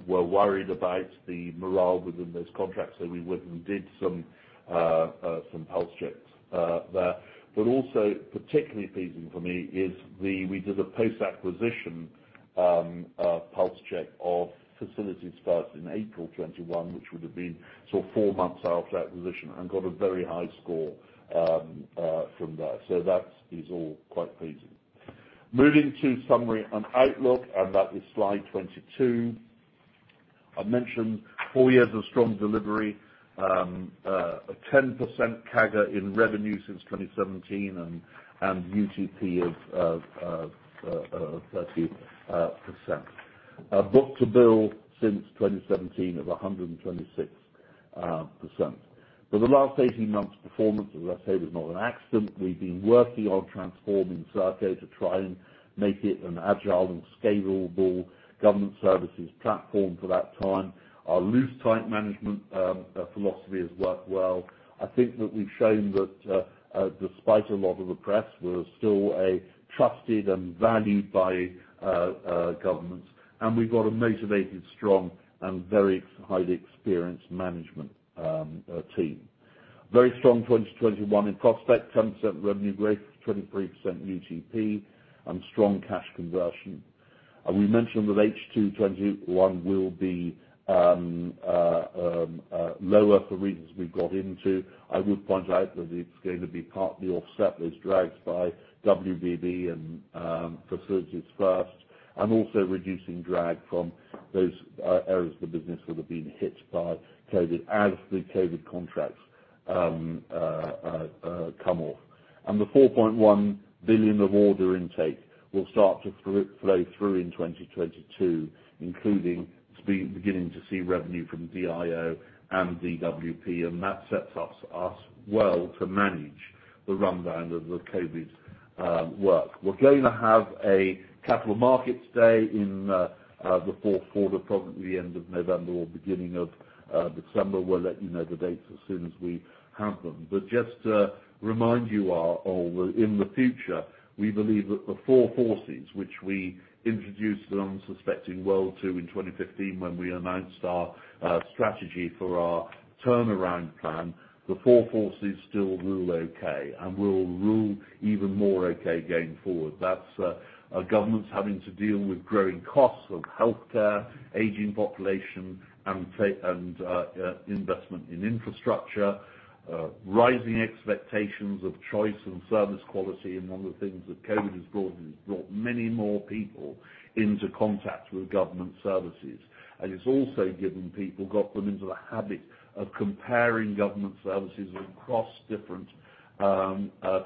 were worried about the morale within those contracts. We went and did some pulse checks there. Also particularly pleasing for me is we did a post-acquisition pulse check of Facilities First in April 2021, which would have been four months after acquisition and got a very high score from there. That is all quite pleasing. Moving to summary and outlook, and that is slide 22. I mentioned four years of strong delivery, a 10% CAGR in revenue since 2017 and UTP of 30%. Book-to-bill since 2017 of 126%. The last 18 months performance, as I said, is not an accident. We've been working on transforming Serco to try and make it an agile and scalable government services platform for that time. Our loose-tight management philosophy has worked well. I think that we've shown that despite a lot of the press, we're still a trusted and valued by governments, and we've got a motivated, strong, and very highly experienced management team. Very strong 2021 in prospect, 10% revenue growth, 23% UTP, and strong cash conversion. We mentioned that H2 2021 will be lower for reasons we got into. I would point out that it's going to be partly offset those drags by WBB and Facilities First, and also reducing drag from those areas of the business that have been hit by COVID as the COVID contracts come off. The 4.1 billion of order intake will start to flow through in 2022, including beginning to see revenue from DIO and DWP, and that sets us well to manage the rundown of the COVID work. We're going to have a Capital Markets Day in the fourth quarter, probably end of November or beginning of December. We'll let you know the dates as soon as we have them. Just to remind you all in the future, we believe that the four forces, which we introduced the unsuspecting world to in 2015 when we announced our strategy for our turnaround plan, the four forces still rule okay and will rule even more okay going forward. That's governments having to deal with growing costs of healthcare, aging population, and investment in infrastructure, rising expectations of choice and service quality. One of the things that COVID has brought is it brought many more people into contact with government services. It's also given people, got them into the habit of comparing government services across different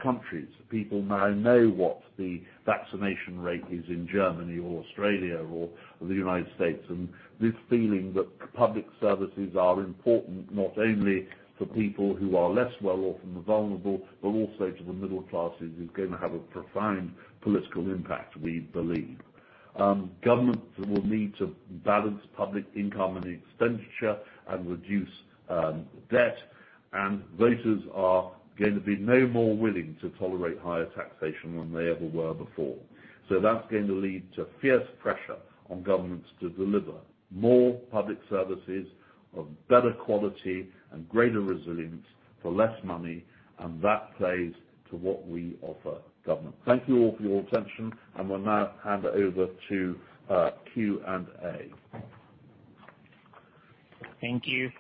countries. People now know what the vaccination rate is in Germany or Australia or the United States. This feeling that public services are important, not only for people who are less well-off and the vulnerable, but also to the middle classes, is going to have a profound political impact, we believe. Governments will need to balance public income and expenditure and reduce debt. Voters are going to be no more willing to tolerate higher taxation than they ever were before. That's going to lead to fierce pressure on governments to deliver more public services of better quality and greater resilience for less money. That plays to what we offer government. Thank you all for your attention, and we'll now hand over to Q&A. Thank you.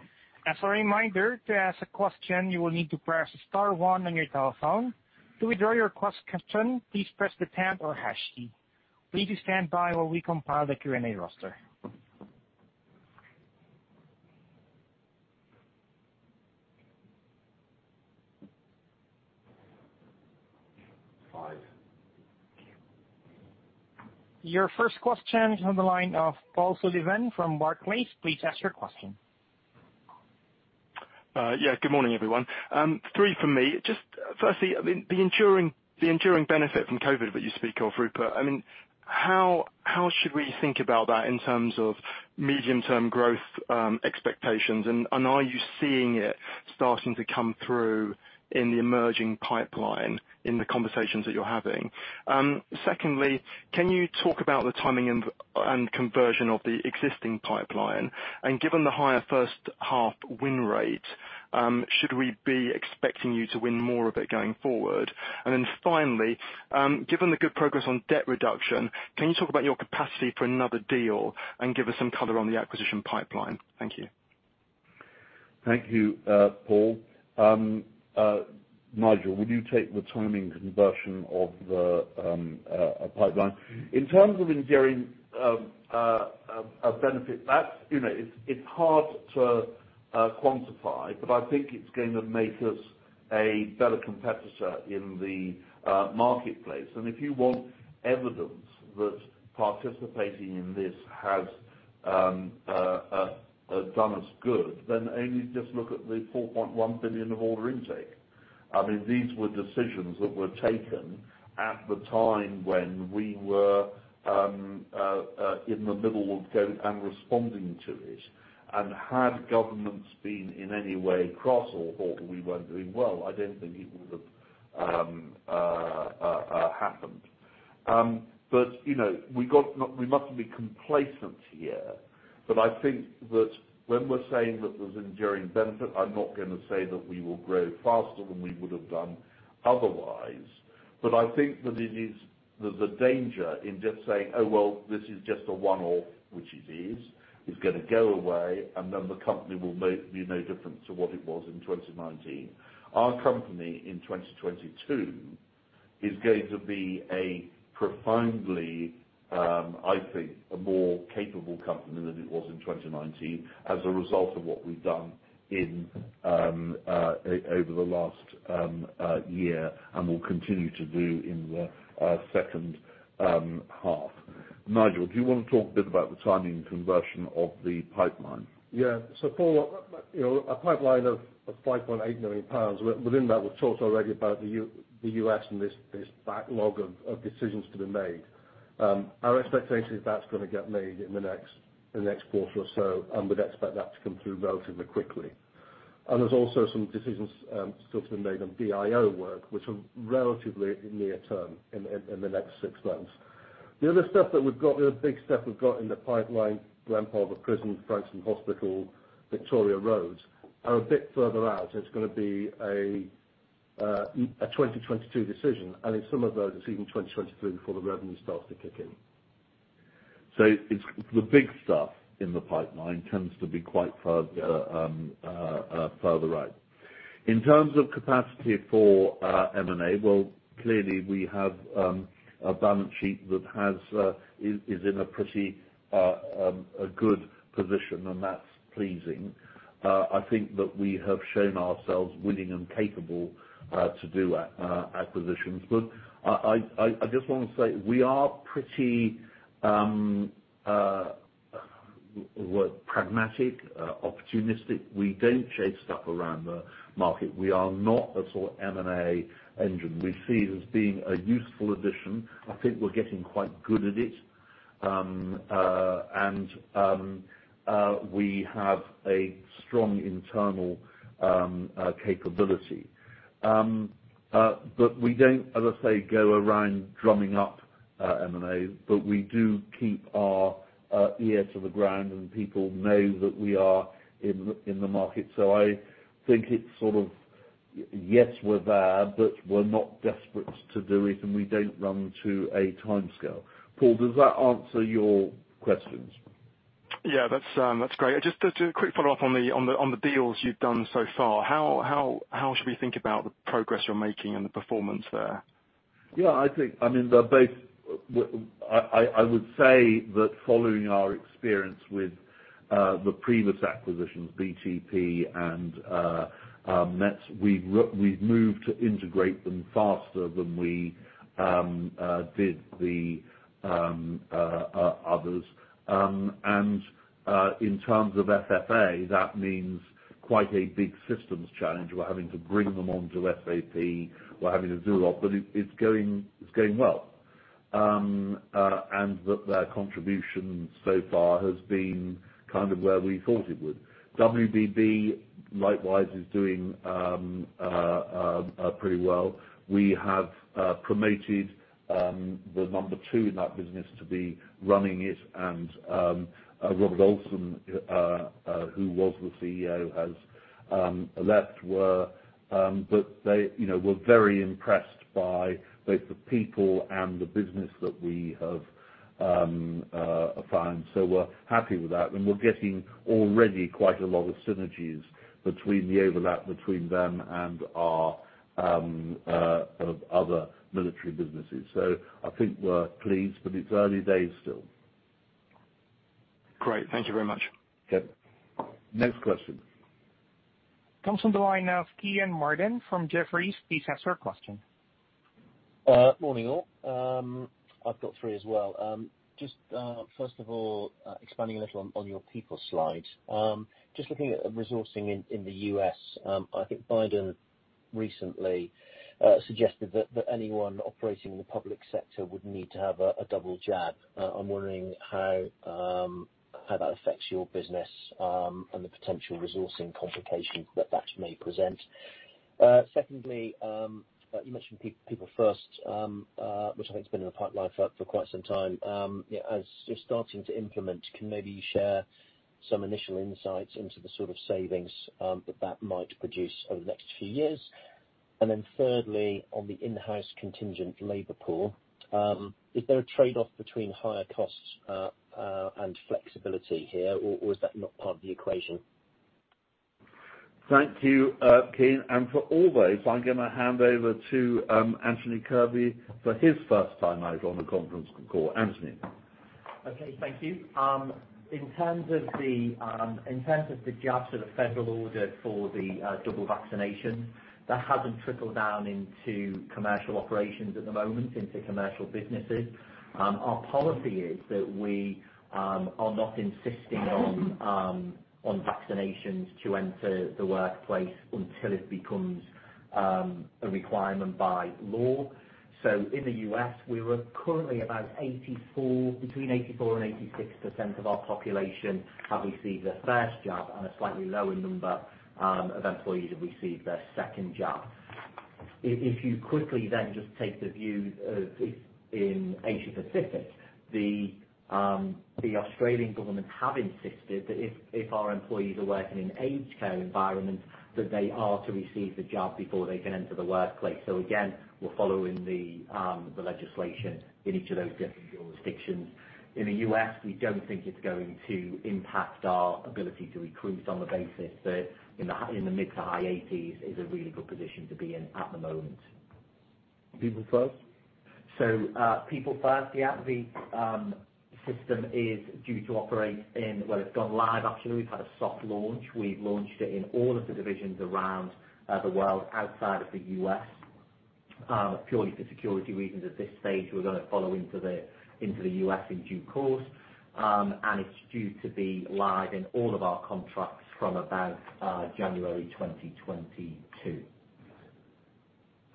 As a reminder, to ask a question, you will need to press star one on your telephone. To withdraw your question, please press the pound or hash key. Please stand by while we compile the Q&A roster. Five. Your first question is on the line of Paul Sullivan from Barclays. Please ask your question. Yeah. Good morning, everyone. Three from me. Just firstly, the enduring benefit from COVID that you speak of, Rupert, how should we think about that in terms of medium-term growth expectations? Are you seeing it starting to come through in the emerging pipeline in the conversations that you're having? Secondly, can you talk about the timing and conversion of the existing pipeline? Given the higher first half win rate, should we be expecting you to win more of it going forward? Finally, given the good progress on debt reduction, can you talk about your capacity for another deal and give us some color on the acquisition pipeline? Thank you. Thank you, Paul. Nigel, will you take the timing conversion of the pipeline? In terms of enduring a benefit, it's hard to quantify, but I think it's going to make us a better competitor in the marketplace. If you want evidence that participating in this has done us good, then only just look at the 4.1 billion of order intake. These were decisions that were taken at the time when we were in the middle of going and responding to it. Had governments been in any way cross or thought we weren't doing well, I don't think it would have happened. We mustn't be complacent here, but I think that when we're saying that there's enduring benefit, I'm not going to say that we will grow faster than we would have done otherwise. I think that there's a danger in just saying, "Oh, well, this is just a one-off," which it is, it's going to go away, and then the company will be no different to what it was in 2019. Our company in 2022 is going to be a profoundly, I think, a more capable company than it was in 2019 as a result of what we've done over the last year and will continue to do in the second half. Nigel, do you want to talk a bit about the timing conversion of the pipeline? Paul, a pipeline of 5.8 million pounds. Within that, we've talked already about the U.S. and this backlog of decisions to be made. Our expectation is that's going to get made in the next quarter or so, and we'd expect that to come through relatively quickly. There's also some decisions still to be made on DIO work, which are relatively near term, in the next six months. The other big stuff we've got in the pipeline, Glen Parva Prison, Frankston Hospital, Victoria Road, are a bit further out. It's going to be a 2022 decision, and in some of those, it's even 2023 before the revenue starts to kick in. The big stuff in the pipeline tends to be quite further out. In terms of capacity for M&A, well, clearly we have a balance sheet that is in a pretty good position, and that's pleasing. I think that we have shown ourselves willing and capable to do acquisitions. I just want to say, we are pretty pragmatic, opportunistic. We don't chase stuff around the market. We are not a sort of M&A engine. We see it as being a useful addition. I think we're getting quite good at it. We have a strong internal capability. We don't, as I say, go around drumming up M&A, but we do keep our ear to the ground, and people know that we are in the market. I think it's sort of, yes, we're there, but we're not desperate to do it, and we don't run to a timescale. Paul, does that answer your questions? Yeah. That's great. Just a quick follow-up on the deals you've done so far. How should we think about the progress you're making and the performance there? I would say following our experience with the previous acquisitions, BTP and MT&S, we've moved to integrate them faster than we did the others. In terms of FFA, that means quite a big systems challenge. We're having to bring them onto SAP. We're having to do a lot, it's going well. Their contribution so far has been kind of where we thought it would. WBB, likewise, is doing pretty well. We have promoted the number two in that business to be running it, Robert Olsen, who was the CEO, has left. We're very impressed by both the people and the business that we have found, we're happy with that. We're getting already quite a lot of synergies between the overlap between them and our other military businesses. I think we're pleased, it's early days still. Great. Thank you very much. Okay. Next question. Comes on the line now from Kean Marden from Jefferies. Please ask your question. Morning, all. I've got three as well. Just first of all, expanding a little on your people slide. Just looking at resourcing in the U.S., I think Biden recently suggested that anyone operating in the public sector would need to have a double jab. I'm wondering how that affects your business, and the potential resourcing complications that that may present. Secondly, you mentioned People First, which I think has been in the pipeline for quite some time. As you're starting to implement, can maybe you share some initial insights into the sort of savings that that might produce over the next few years? Thirdly, on the in-house contingent labor pool, is there a trade-off between higher costs and flexibility here, or is that not part of the equation? Thank you, Kean. For all those, I'm going to hand over to Anthony Kirby for his first time out on the conference call. Anthony. Okay, thank you. In terms of the jab, sort of federal order for the double vaccination, that hasn't trickled down into commercial operations at the moment, into commercial businesses. Our policy is that we are not insisting on vaccinations to enter the workplace until it becomes a requirement by law. In the U.S., we're currently about between 84% and 86% of our population have received their first jab, and a slightly lower number, of employees have received their second jab. If you quickly then just take the view of in Asia Pacific, the Australian government have insisted that if our employees are working in aged care environments, that they are to receive the jab before they can enter the workplace. Again, we're following the legislation in each of those different jurisdictions. In the U.S., we don't think it's going to impact our ability to recruit on the basis that in the mid to high 80s is a really good position to be in at the moment. People First? People First, yeah. Well, it's gone live actually. We've had a soft launch. We've launched it in all of the divisions around the world outside of the U.S., purely for security reasons at this stage. We're going to follow into the U.S. in due course, and it's due to be live in all of our contracts from about January 2022.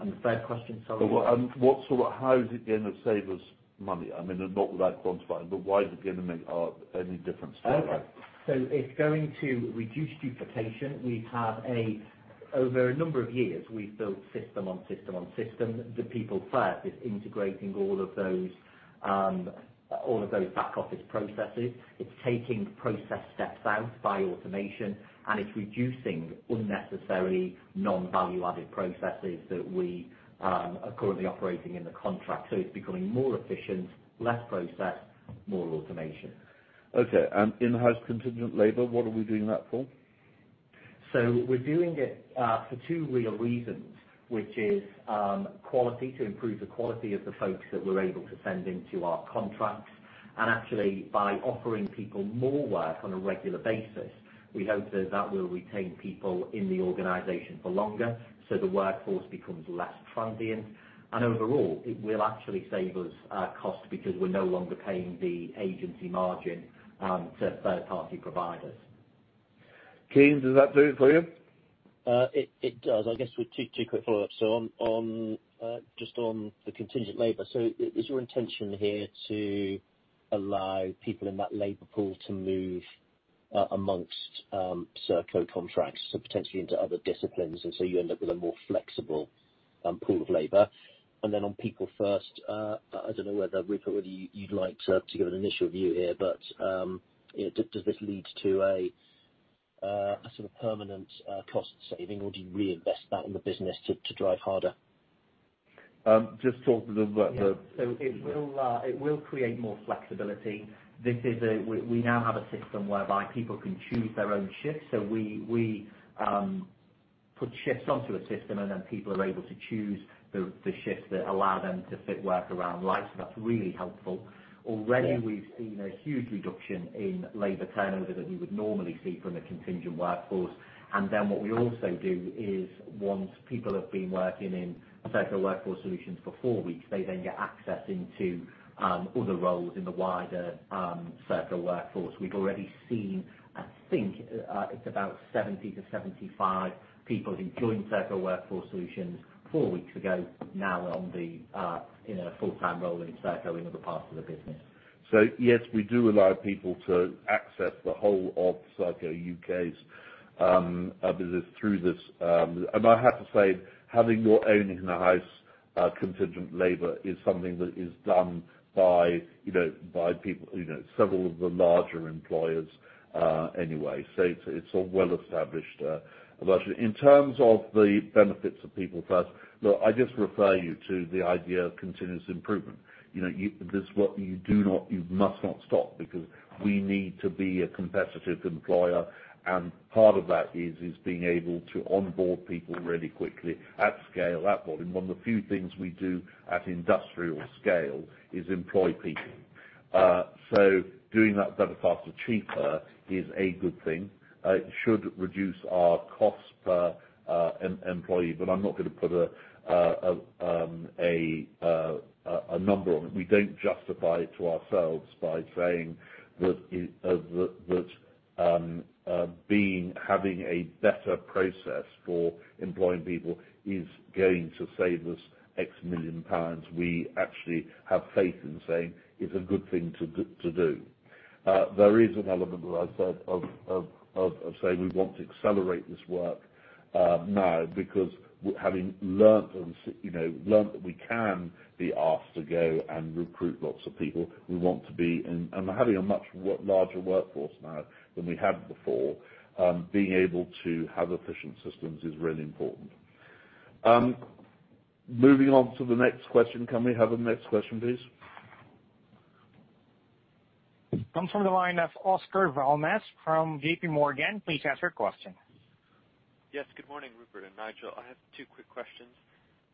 The third question, sorry? How is it going to save us money? I mean, not without quantifying, but why is it going to make any difference to the bottom line? Okay. It's going to reduce duplication. Over a number of years, we've built system on system on system. The People First is integrating all of those back office processes. It's taking process steps out by automation, and it's reducing unnecessary non-value-added processes that we are currently operating in the contract. It's becoming more efficient, less process, more automation. Okay. In-house contingent labor, what are we doing that for? We're doing it for two real reasons, which is quality, to improve the quality of the folks that we're able to send into our contracts. Actually, by offering people more work on a regular basis, we hope that that will retain people in the organization for longer, so the workforce becomes less transient. Overall, it will actually save us cost because we're no longer paying the agency margin to third-party providers. Kean, does that do it for you? It does. I guess, two quick follow-ups. Just on the contingent labor. Is your intention here to allow people in that labor pool to move amongst Serco contracts, so potentially into other disciplines, and so you end up with a more flexible pool of labor? Then on People First, I don't know whether, Rupert, whether you'd like to give an initial view here, but does this lead to a sort of permanent cost saving, or do you reinvest that in the business to drive harder? Just talk to the- It will create more flexibility. We now have a system whereby people can choose their own shifts. We put shifts onto a system, and then people are able to choose the shifts that allow them to fit work around life. That's really helpful. Yeah. Already, we've seen a huge reduction in labor turnover that you would normally see from a contingent workforce. What we also do is once people have been working in a Serco Workforce Solutions for four weeks, they then get access into other roles in the wider Serco workforce. We've already seen, I think it's about 70-75 people who joined Serco Workforce Solutions four weeks ago, now in a full-time role in Serco in other parts of the business. Yes, we do allow people to access the whole of Serco U.K.'s business through this. I have to say, having your own in-house contingent labor is something that is done by several of the larger employers anyway. It's a well established version. In terms of the benefits of People First, look, I just refer you to the idea of continuous improvement. You must not stop, because we need to be a competitive employer, and part of that is being able to onboard people really quickly at scale, at volume. One of the few things we do at industrial scale is employ people. Doing that better, faster, cheaper is a good thing. It should reduce our cost per employee, but I'm not going to put a number on it. We don't justify it to ourselves by saying that having a better process for employing people is going to save us X million pounds. We actually have faith in saying it's a good thing to do. There is an element, as I said, of saying we want to accelerate this work now because having learned that we can be asked to go and recruit lots of people, and having a much larger workforce now than we had before, being able to have efficient systems is really important. Moving on to the next question. Can we have the next question, please? Comes from the line of Oscar Val Mas from JPMorgan. Please ask your question. Yes. Good morning, Rupert and Nigel. I have two quick questions.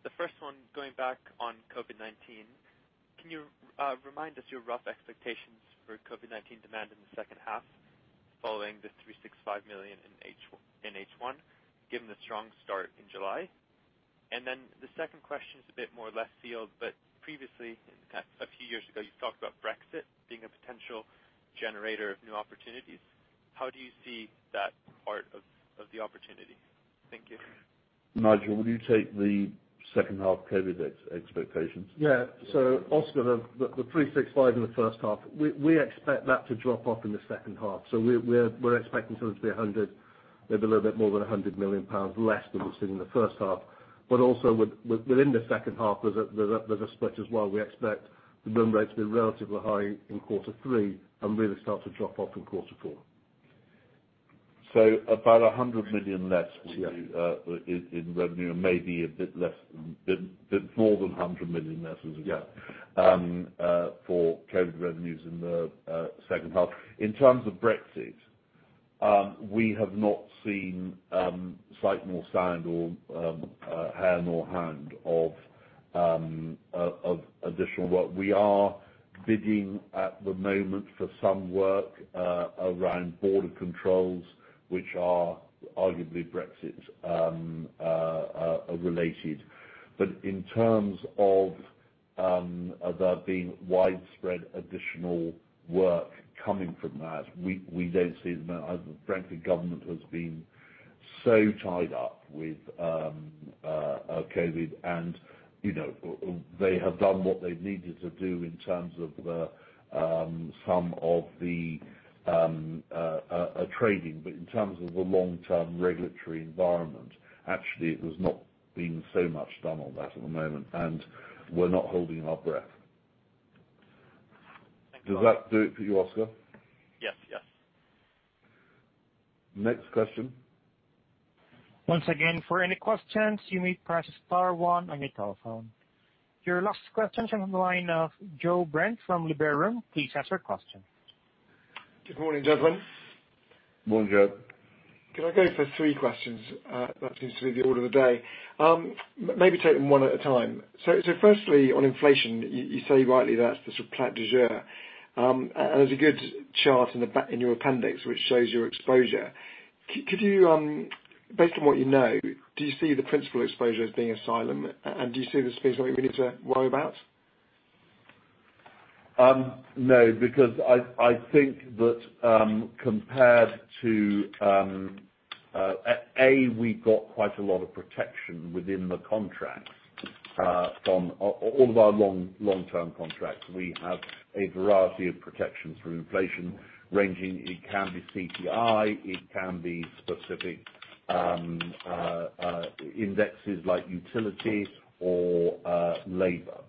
The first one, going back on COVID-19. Can you remind us your rough expectations for COVID-19 demand in the second half following the 365 million in H1, given the strong start in July? The second question is a bit more left field, but previously, a few years ago, you talked about Brexit being a potential generator of new opportunities. How do you see that part of the opportunity? Thank you. Nigel, will you take the second half COVID expectations? Oscar, the 365 in the first half, we expect that to drop off in the second half. We're expecting something to be 100, maybe a little bit more than 100 million pounds less than we've seen in the first half. Also within the second half, there's a split as well. We expect the run rate to be relatively high in quarter three and really start to drop off in quarter four. About 100 million less. Yeah. In revenue and maybe a bit more than 100 million less. Yeah. For COVID revenues in the second half. In terms of Brexit, we have not seen sight nor sound or hair nor hand of additional work. We are bidding at the moment for some work around border controls, which are arguably Brexit related. In terms of there being widespread additional work coming from that, we don't see at the moment. Frankly, government has been so tied up with COVID and they have done what they've needed to do in terms of some of the trading. In terms of the long-term regulatory environment, actually there's not been so much done on that at the moment, and we're not holding our breath. Thank you. Does that do it for you, Oscar? Yes. Next question. Once again, for any questions, you may press star one on your telephone. Your last question is from the line of Joe Brent from Liberum. Please ask your question. Good morning, gentlemen. Morning, Joe. Can I go for three questions? That seems to be the order of the day. Maybe take them one at a time. Firstly, on inflation, you say rightly that's the plat du jour. There's a good chart in your appendix, which shows your exposure. Based on what you know, do you see the principal exposure as being asylum, and do you see this as something we need to worry about? Because I think that compared to, we got quite a lot of protection within the contract. From all of our long-term contracts, we have a variety of protections from inflation ranging, it can be CPI, it can be specific indexes like utility or labor.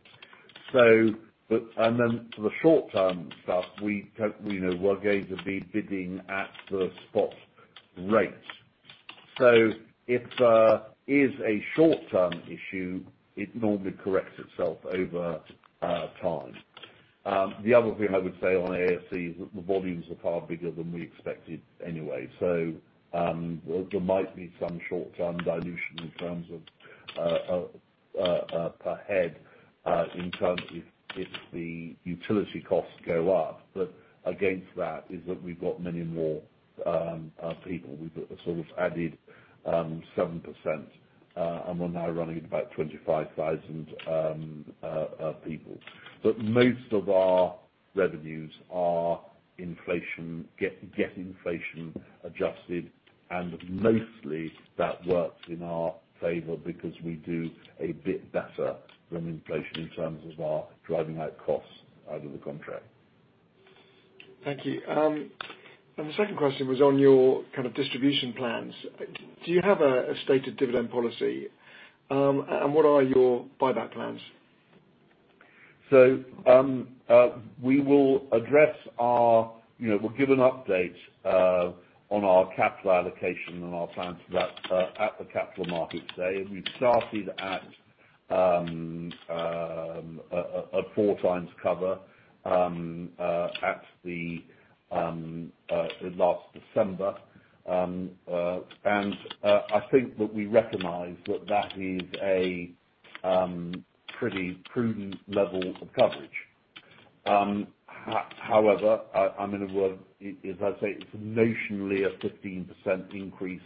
For the short-term stuff, we're going to be bidding at the spot rate. If it is a short-term issue, it normally corrects itself over time. The other thing I would say on AASC is that the volumes are far bigger than we expected anyway. There might be some short-term dilution in terms if the utility costs go up. Against that is that we've got many more people. We've sort of added 7%, we're now running at about 25,000 people. Most of our revenues are inflation, get inflation adjusted, and mostly that works in our favor because we do a bit better than inflation in terms of our driving out costs out of the contract. Thank you. The second question was on your distribution plans. Do you have a stated dividend policy? What are your buyback plans? We'll give an update on our capital allocation and our plans for that at the Capital Markets Day. We started at 4x cover at the last December. I think that we recognize that is a pretty prudent level of coverage. However, I'm going to work, as I say, it's notionally a 15% increase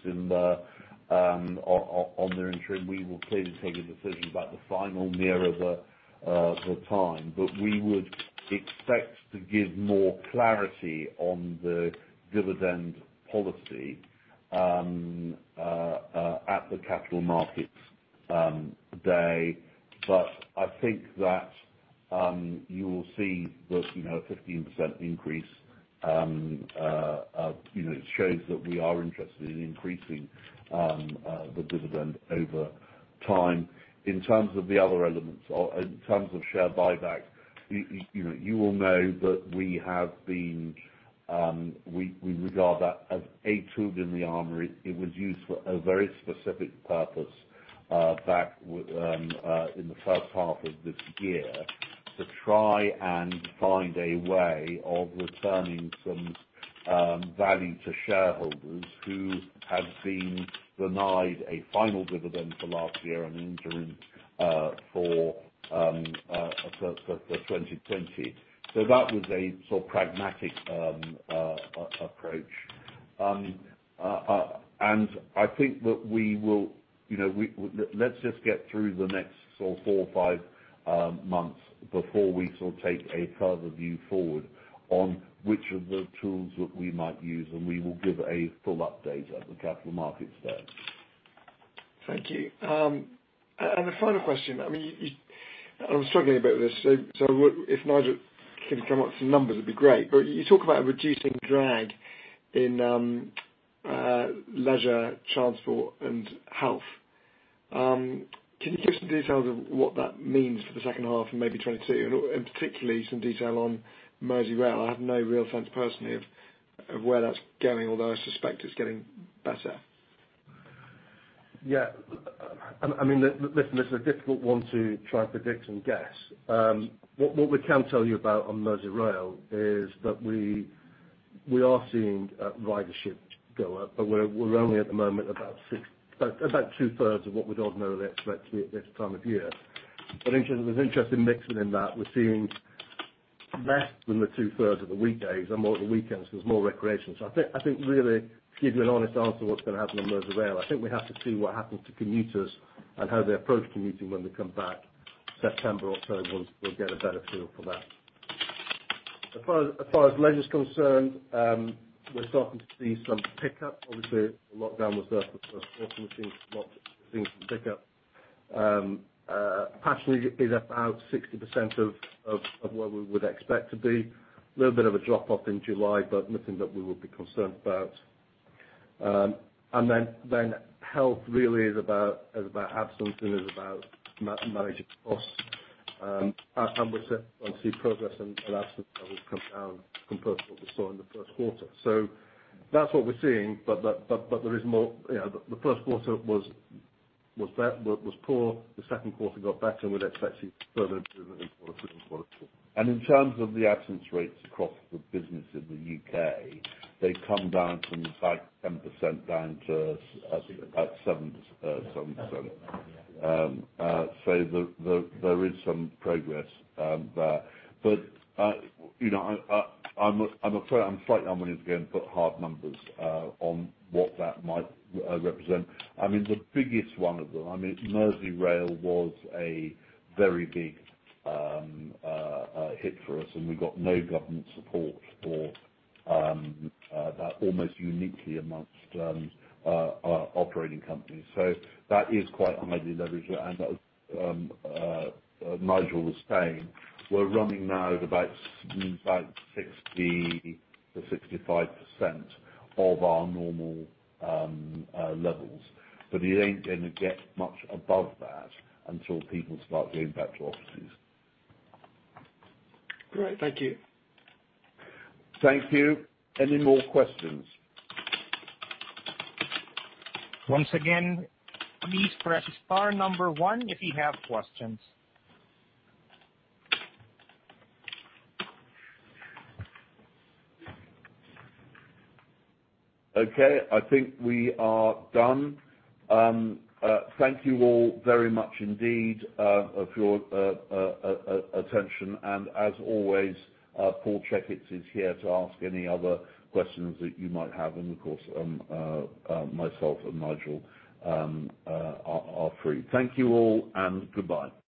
on the interim. We will clearly take a decision about the final near of the time. We would expect to give more clarity on the dividend policy at the Capital Markets Day. I think that you will see that a 15% increase shows that we are interested in increasing the dividend over time. In terms of the other elements or in terms of share buyback, you will know that we regard that as a tool in the armory. It was used for a very specific purpose back in the first half of this year to try and find a way of returning some value to shareholders who had been denied a final dividend for last year and interim for 2020. That was a sort of pragmatic approach. I think that let's just get through the next four or five months before we take a further view forward on which of the tools that we might use, and we will give a full update at the Capital Markets Day. Thank you. A final question. I am struggling a bit with this. If Nigel can come up with some numbers, it would be great. You talk about reducing drag in Leisure, Transport and Health. Can you give some details of what that means for the second half and maybe 2022, and particularly some detail on Merseyrail? I have no real sense personally of where that is going, although I suspect it is getting better. Listen, it's a difficult one to try and predict and guess. What we can tell you about on Merseyrail is that we are seeing ridership go up, but we're only at the moment about two-thirds of what we'd ordinarily expect to be at this time of year. There's interesting mixing in that. We're seeing less than the two-thirds of the weekdays and more at the weekends. There's more recreation. I think really, to give you an honest answer what's going to happen on Merseyrail, I think we have to see what happens to commuters and how they approach commuting when they come back September or October. We'll get a better feel for that. As far as Leisure is concerned, we're starting to see some pickup. Obviously, the lockdown was first, we're seeing some pickup. Passenger is about 60% of what we would expect to be. A little bit of a drop-off in July, but nothing that we would be concerned about. Health really is about absence and is about managing costs. We're starting to see progress and absence levels come down compared to what we saw in the first quarter. That's what we're seeing. The first quarter was poor, the second quarter got better, and we'd expect to see further improvement in quarter four. In terms of the absence rates across the business in the U.K., they've come down from 10% down to about 7%. There is some progress there. I'm afraid I'm not going to be able to give hard numbers on what that might represent. The biggest one of them, Merseyrail was a very big hit for us, and we got no government support for that, almost uniquely amongst operating companies. That is quite highly leveraged. As Nigel was saying, we're running now at about 60%-65% of our normal levels, but it ain't going to get much above that until people start going back to offices. Great. Thank you. Thank you. Any more questions? Once again, please press star number one if you have questions. Okay, I think we are done. Thank you all very much indeed for your attention. As always, Paul Checketts is here to ask any other questions that you might have. Of course, myself and Nigel are free. Thank you all, and goodbye.